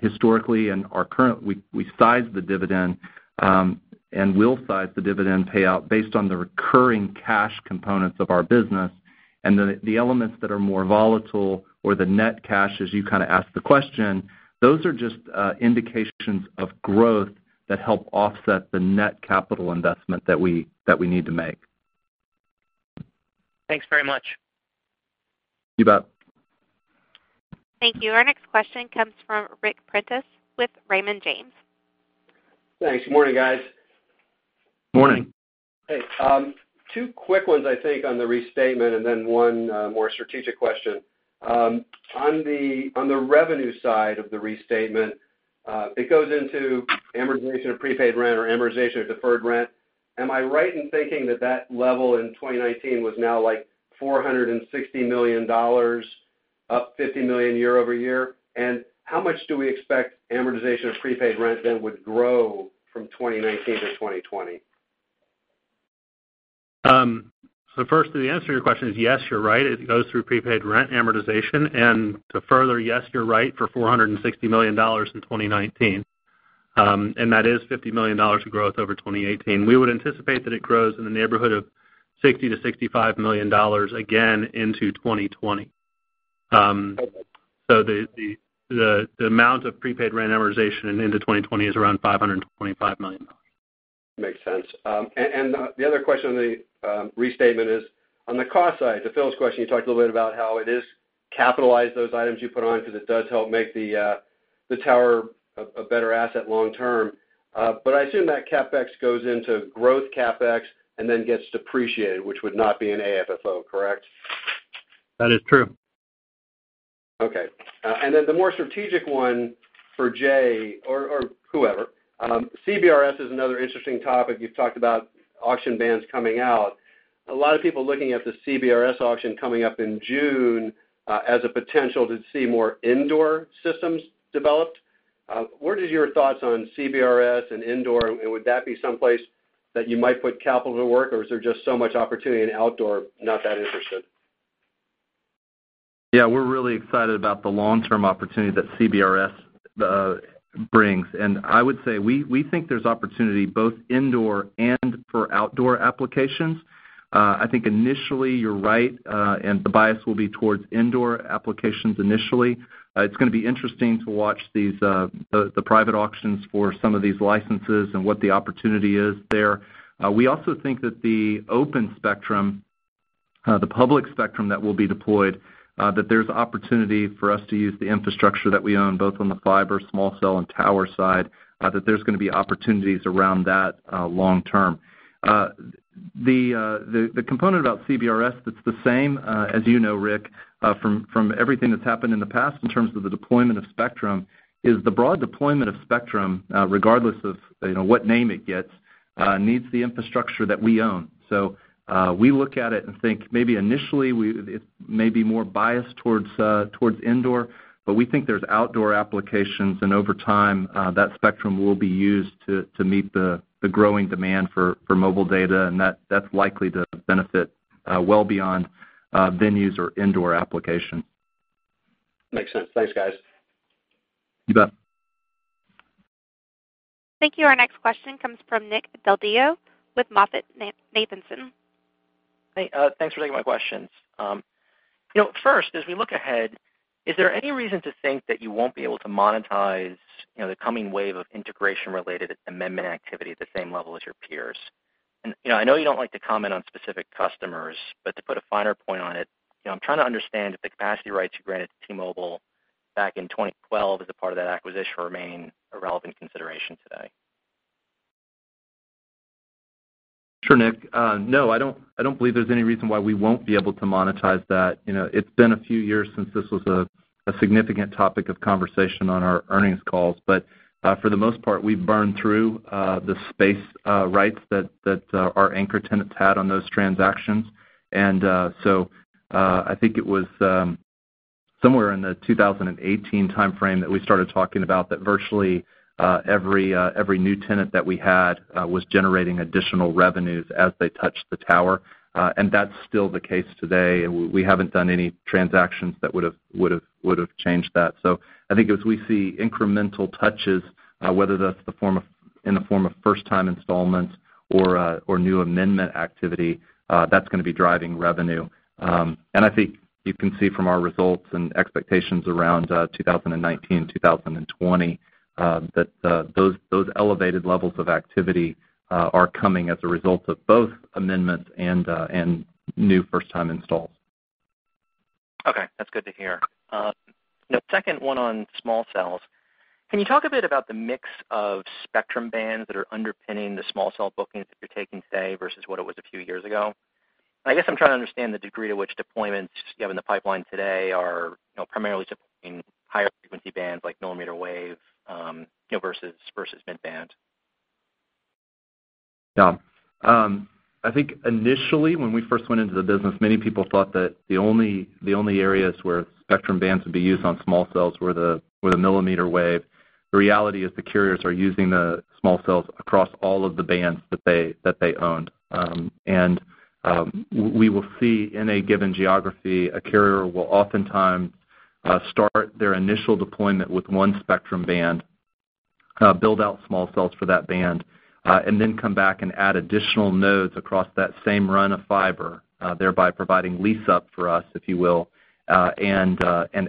S4: historically. We sized the dividend, and will size the dividend payout based on the recurring cash components of our business. Then the elements that are more volatile or the net cash, as you kind of asked the question, those are just indications of growth that help offset the net capital investment that we need to make.
S10: Thanks very much.
S4: You bet.
S1: Thank you. Our next question comes from Ric Prentiss with Raymond James.
S11: Thanks. Morning, guys.
S4: Morning.
S11: Hey. Two quick ones, I think, on the restatement, and then one more strategic question. On the revenue side of the restatement, it goes into amortization of prepaid rent or amortization of deferred rent. Am I right in thinking that level in 2019 was now like $460 million, up $50 million year-over-year? How much do we expect amortization of prepaid rent then would grow from 2019 to 2020?
S4: Firstly, the answer to your question is yes, you're right. It goes through prepaid rent amortization. Yes, you're right, for $460 million in 2019. That is $50 million of growth over 2018. We would anticipate that it grows in the neighborhood of $60 million-$65 million again into 2020. The amount of prepaid rent amortization into 2020 is around $525 million.
S11: Makes sense. The other question on the restatement is, on the cost side, to Phil's question, you talked a little bit about how it is capitalized, those items you put on, because it does help make the tower a better asset long term. I assume that CapEx goes into growth CapEx and then gets depreciated, which would not be in AFFO, correct?
S4: That is true.
S11: Okay. The more strategic one for Jay or whoever, CBRS is another interesting topic. You've talked about auction bands coming out. A lot of people looking at the CBRS auction coming up in June as a potential to see more indoor systems developed. What is your thoughts on CBRS and indoor, and would that be someplace that you might put capital to work, or is there just so much opportunity in outdoor, not that interested?
S3: We're really excited about the long-term opportunity that CBRS brings. I would say, we think there's opportunity both indoor and for outdoor applications. I think initially you're right, the bias will be towards indoor applications initially. It's going to be interesting to watch the private auctions for some of these licenses and what the opportunity is there. We also think that the public spectrum that will be deployed, that there's opportunity for us to use the infrastructure that we own, both on the fiber, small cell, and tower side, that there's going to be opportunities around that long term. The component about CBRS that's the same, as you know, Ric, from everything that's happened in the past in terms of the deployment of spectrum, is the broad deployment of spectrum, regardless of what name it gets, needs the infrastructure that we own. We look at it and think maybe initially it may be more biased towards indoor, but we think there's outdoor applications, and over time, that spectrum will be used to meet the growing demand for mobile data, and that's likely to benefit well beyond venues or indoor application.
S4: Makes sense. Thanks, guys.
S3: You bet.
S1: Thank you. Our next question comes from Nick Del Deo with MoffettNathanson.
S12: Hey, thanks for taking my questions. First, as we look ahead, is there any reason to think that you won't be able to monetize the coming wave of integration-related amendment activity at the same level as your peers? I know you don't like to comment on specific customers, but to put a finer point on it, I'm trying to understand if the capacity rights you granted to T-Mobile back in 2012 as a part of that acquisition remain a relevant consideration today.
S3: Sure, Nick. No, I don't believe there's any reason why we won't be able to monetize that. It's been a few years since this was a significant topic of conversation on our earnings calls. For the most part, we've burned through the space rights that our anchor tenants had on those transactions. I think it was somewhere in the 2018 timeframe that we started talking about that virtually every new tenant that we had was generating additional revenues as they touched the tower. That's still the case today, and we haven't done any transactions that would've changed that. I think as we see incremental touches, whether that's in the form of first-time installments or new amendment activity, that's gonna be driving revenue. I think you can see from our results and expectations around 2019, 2020, that those elevated levels of activity are coming as a result of both amendments and new first-time installs.
S12: Okay. That's good to hear. Second one on small cells. Can you talk a bit about the mix of spectrum bands that are underpinning the small cell bookings that you're taking today versus what it was a few years ago? I guess I'm trying to understand the degree to which deployments you have in the pipeline today are primarily deploying higher frequency bands like millimeter wave versus mid-band.
S3: Yeah. I think initially when we first went into the business, many people thought that the only areas where spectrum bands would be used on small cells were the millimeter wave. The reality is the carriers are using the small cells across all of the bands that they owned. We will see in a given geography, a carrier will oftentimes start their initial deployment with one spectrum band, build out small cells for that band, then come back and add additional nodes across that same run of fiber, thereby providing lease up for us, if you will, and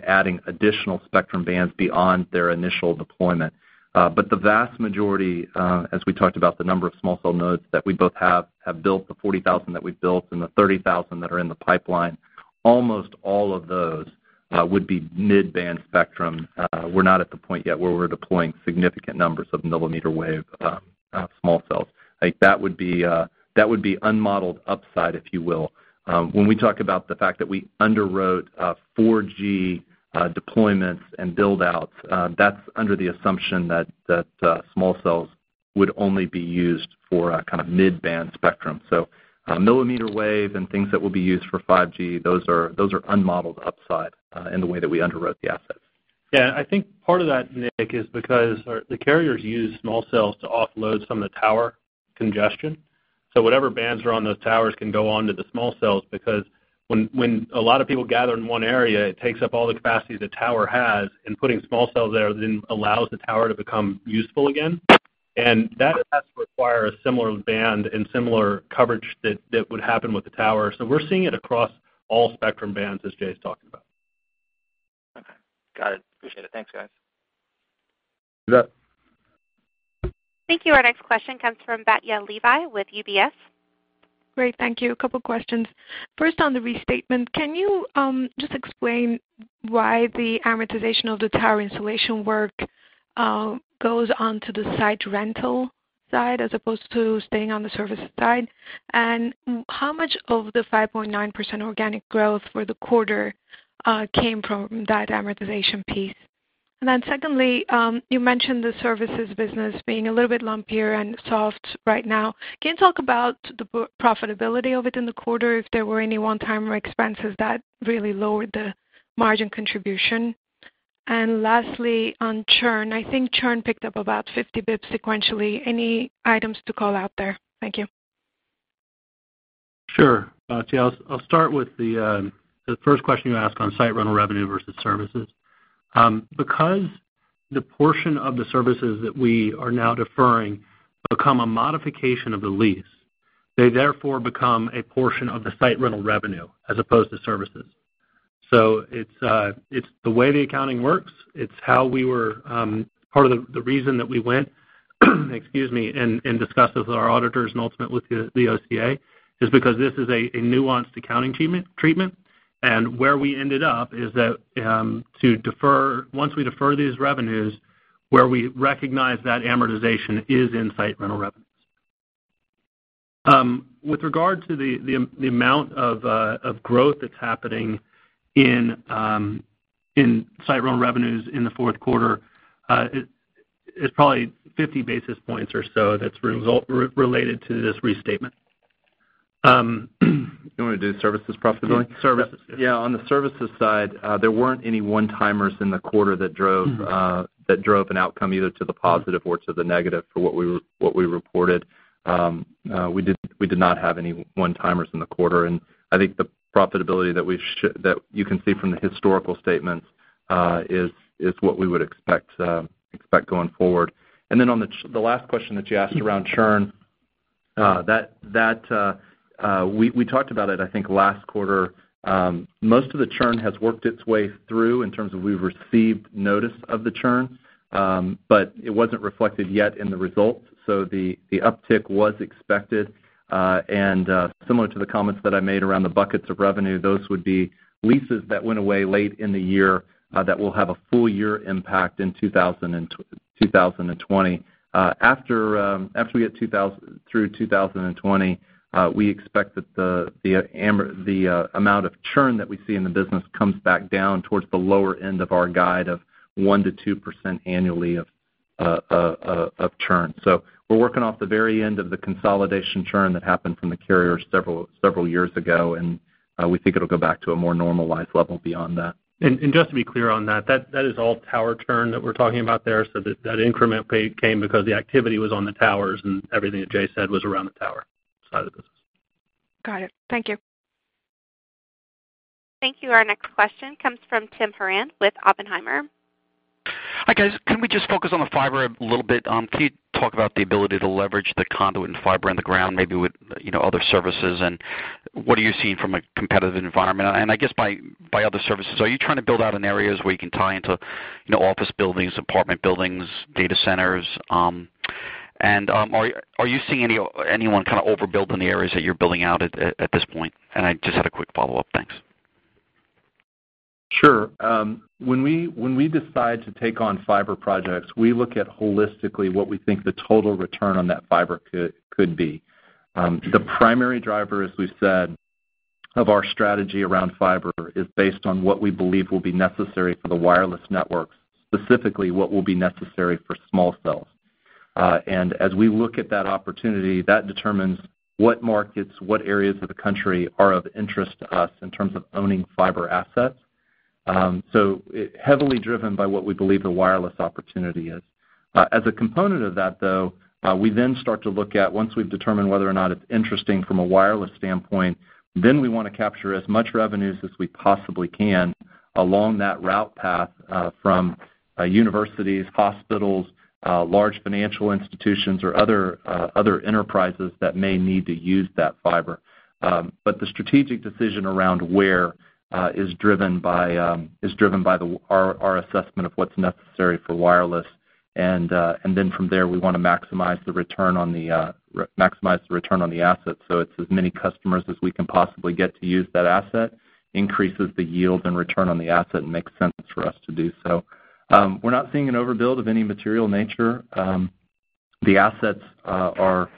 S3: adding additional spectrum bands beyond their initial deployment. The vast majority, as we talked about the number of small cell nodes that we both have built, the 40,000 that we've built and the 30,000 that are in the pipeline, almost all of those would be mid-band spectrum. We're not at the point yet where we're deploying significant numbers of millimeter wave small cells. I think that would be unmodeled upside, if you will. When we talk about the fact that we underwrote 4G deployments and build-outs, that's under the assumption that small cells would only be used for a kind of mid-band spectrum. Millimeter wave and things that will be used for 5G, those are unmodeled upside in the way that we underwrote the assets.
S4: Yeah, I think part of that, Nick, is because the carriers use small cells to offload some of the tower congestion. Whatever bands are on those towers can go onto the small cells, because when a lot of people gather in one area, it takes up all the capacity the tower has, and putting small cells there then allows the tower to become useful again. That has to require a similar band and similar coverage that would happen with the tower. We're seeing it across all spectrum bands as Jay's talking about.
S12: Okay. Got it. Appreciate it. Thanks, guys.
S3: You bet.
S1: Thank you. Our next question comes from Batya Levi with UBS.
S13: Great. Thank you. A couple of questions. First, on the restatement, can you just explain why the amortization of the tower installation work goes onto the site rental side as opposed to staying on the service side? How much of the 5.9% organic growth for the quarter came from that amortization piece? Secondly, you mentioned the services business being a little bit lumpier and soft right now. Can you talk about the profitability of it in the quarter, if there were any one-time expenses that really lowered the margin contribution? Lastly, on churn. I think churn picked up about 50 basis points sequentially. Any items to call out there? Thank you.
S4: Sure. Batya, I'll start with the first question you asked on site rental revenue versus services. The portion of the services that we are now deferring become a modification of the lease, they therefore become a portion of the site rental revenue as opposed to services. It's the way the accounting works. It's part of the reason that we went, excuse me, and discussed with our auditors and ultimate with the OCA is because this is a nuanced accounting treatment. Where we ended up is that once we defer these revenues, where we recognize that amortization is in site rental revenues. With regard to the amount of growth that's happening in site rental revenues in the fourth quarter, it's probably 50 basis points or so that's related to this restatement.
S3: You want me to do services profitability?
S4: Services.
S3: Yeah. On the services side, there weren't any one-timers in the quarter that drove an outcome either to the positive or to the negative for what we reported. We did not have any one-timers in the quarter. I think the profitability that you can see from the historical statements, is what we would expect going forward. On the last question that you asked around churn, we talked about it, I think last quarter. Most of the churn has worked its way through in terms of we've received notice of the churn. It wasn't reflected yet in the results. The uptick was expected. Similar to the comments that I made around the buckets of revenue, those would be leases that went away late in the year, that will have a full year impact in 2020. After we get through 2020, we expect that the amount of churn that we see in the business comes back down towards the lower end of our guide of 1%-2% annually of churn. We're working off the very end of the consolidation churn that happened from the carrier several years ago, and we think it'll go back to a more normalized level beyond that.
S4: Just to be clear on that is all tower churn that we're talking about there. That increment came because the activity was on the towers and everything that Jay said was around the tower side of the business.
S13: Got it. Thank you.
S1: Thank you. Our next question comes from Tim Horan with Oppenheimer.
S14: Hi, guys. Can we just focus on the fiber a little bit? Can you talk about the ability to leverage the conduit and fiber in the ground, maybe with other services, and what are you seeing from a competitive environment? I guess by other services, are you trying to build out in areas where you can tie into office buildings, apartment buildings, data centers? Are you seeing anyone overbuild in the areas that you're building out at this point? I just had a quick follow-up. Thanks.
S3: Sure. When we decide to take on fiber projects, we look at holistically what we think the total return on that fiber could be. The primary driver, as we've said, of our strategy around fiber, is based on what we believe will be necessary for the wireless network, specifically what will be necessary for small cells. As we look at that opportunity, that determines what markets, what areas of the country are of interest to us in terms of owning fiber assets. Heavily driven by what we believe the wireless opportunity is. As a component of that, though, we then start to look at once we've determined whether or not it's interesting from a wireless standpoint, then we want to capture as much revenues as we possibly can along that route path, from universities, hospitals, large financial institutions, or other enterprises that may need to use that fiber. The strategic decision around where is driven by our assessment of what's necessary for wireless. From there, we want to maximize the return on the asset. It's as many customers as we can possibly get to use that asset, increases the yield and return on the asset, and makes sense for us to do so. We're not seeing an overbuild of any material nature. The assets are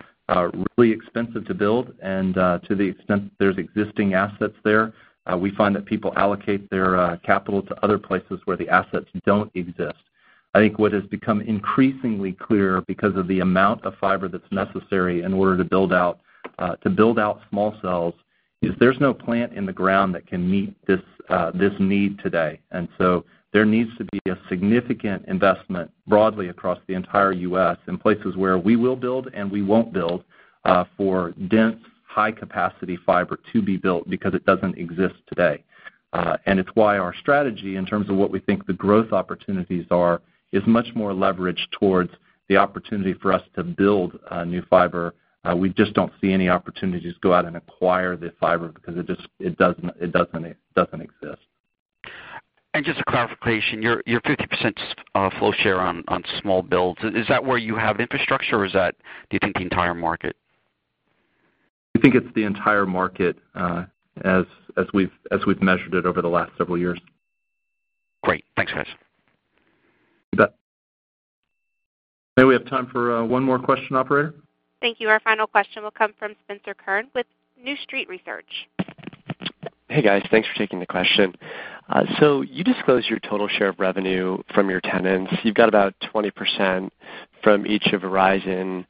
S3: really expensive to build, and to the extent there's existing assets there, we find that people allocate their capital to other places where the assets don't exist. I think what has become increasingly clear because of the amount of fiber that's necessary in order to build out small cells is there's no plant in the ground that can meet this need today. There needs to be a significant investment broadly across the entire U.S. in places where we will build and we won't build for dense, high-capacity fiber to be built because it doesn't exist today. It's why our strategy in terms of what we think the growth opportunities are, is much more leveraged towards the opportunity for us to build new fiber. We just don't see any opportunities to go out and acquire the fiber because it doesn't exist.
S14: Just a clarification, your 50% flow share on small cells, is that where you have infrastructure, or is that, do you think the entire market?
S3: We think it's the entire market as we've measured it over the last several years.
S14: Great. Thanks, guys.
S3: You bet. May we have time for one more question, operator?
S1: Thank you. Our final question will come from Spencer Kurn with New Street Research.
S15: Hey, guys. Thanks for taking the question. You disclose your total share of revenue from your tenants. You've got about 20% from each of Verizon,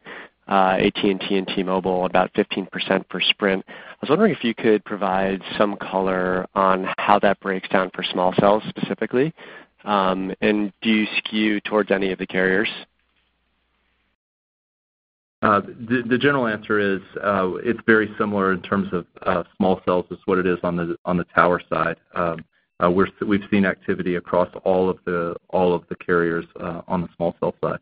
S15: AT&T, and T-Mobile, about 15% for Sprint. I was wondering if you could provide some color on how that breaks down for small cells specifically. Do you skew towards any of the carriers?
S3: The general answer is it's very similar in terms of small cells as what it is on the tower side. We've seen activity across all of the carriers on the small cell side.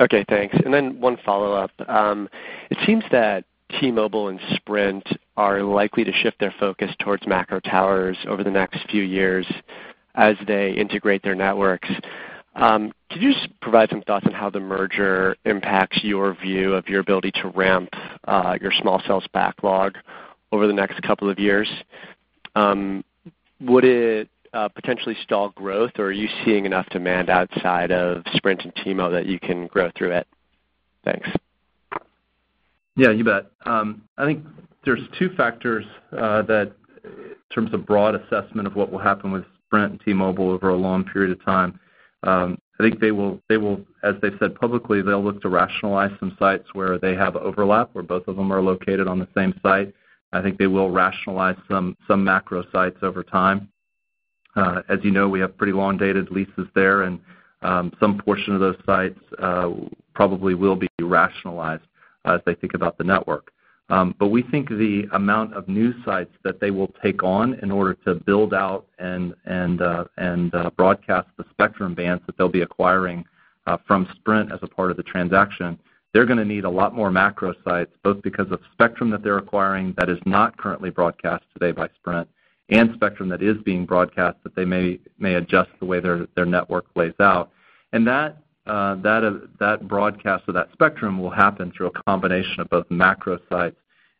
S15: Okay, thanks. Then one follow-up. It seems that T-Mobile and Sprint are likely to shift their focus towards macro towers over the next few years as they integrate their networks. Could you just provide some thoughts on how the merger impacts your view of your ability to ramp your small cells backlog over the next couple of years? Would it potentially stall growth, or are you seeing enough demand outside of Sprint and T-Mobile that you can grow through it? Thanks.
S3: Yeah, you bet. I think there's two factors that, in terms of broad assessment of what will happen with Sprint and T-Mobile over a long period of time. I think, as they've said publicly, they'll look to rationalize some sites where they have overlap, where both of them are located on the same site. I think they will rationalize some macro sites over time. As you know, we have pretty long-dated leases there, and some portion of those sites probably will be rationalized as they think about the network. We think the amount of new sites that they will take on in order to build out and broadcast the spectrum bands that they'll be acquiring from Sprint as a part of the transaction, they're gonna need a lot more macro sites, both because of spectrum that they're acquiring that is not currently broadcast today by Sprint, and spectrum that is being broadcast, that they may adjust the way their network lays out. That broadcast of that spectrum will happen through a combination of both macro sites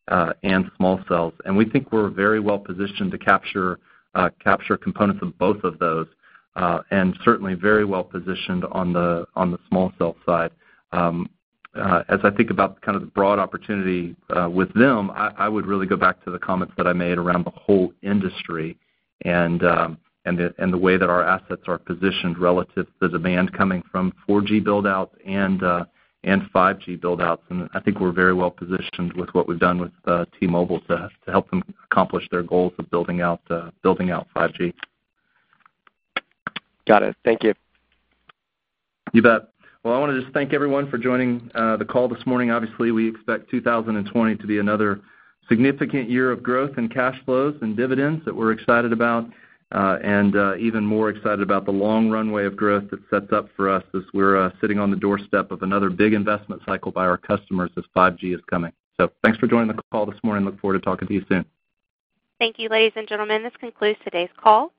S3: and small cells. We think we're very well-positioned to capture components of both of those, and certainly very well-positioned on the small cell side. As I think about kind of the broad opportunity with them, I would really go back to the comments that I made around the whole industry and the way that our assets are positioned relative to demand coming from 4G build-outs and 5G build-outs. I think we're very well-positioned with what we've done with T-Mobile to help them accomplish their goals of building out 5G.
S15: Got it. Thank you.
S3: You bet. Well, I want to just thank everyone for joining the call this morning. Obviously, we expect 2020 to be another significant year of growth in cash flows and dividends that we're excited about. Even more excited about the long runway of growth that sets up for us as we're sitting on the doorstep of another big investment cycle by our customers as 5G is coming. Thanks for joining the call this morning. Look forward to talking to you soon.
S1: Thank you, ladies and gentlemen. This concludes today's call.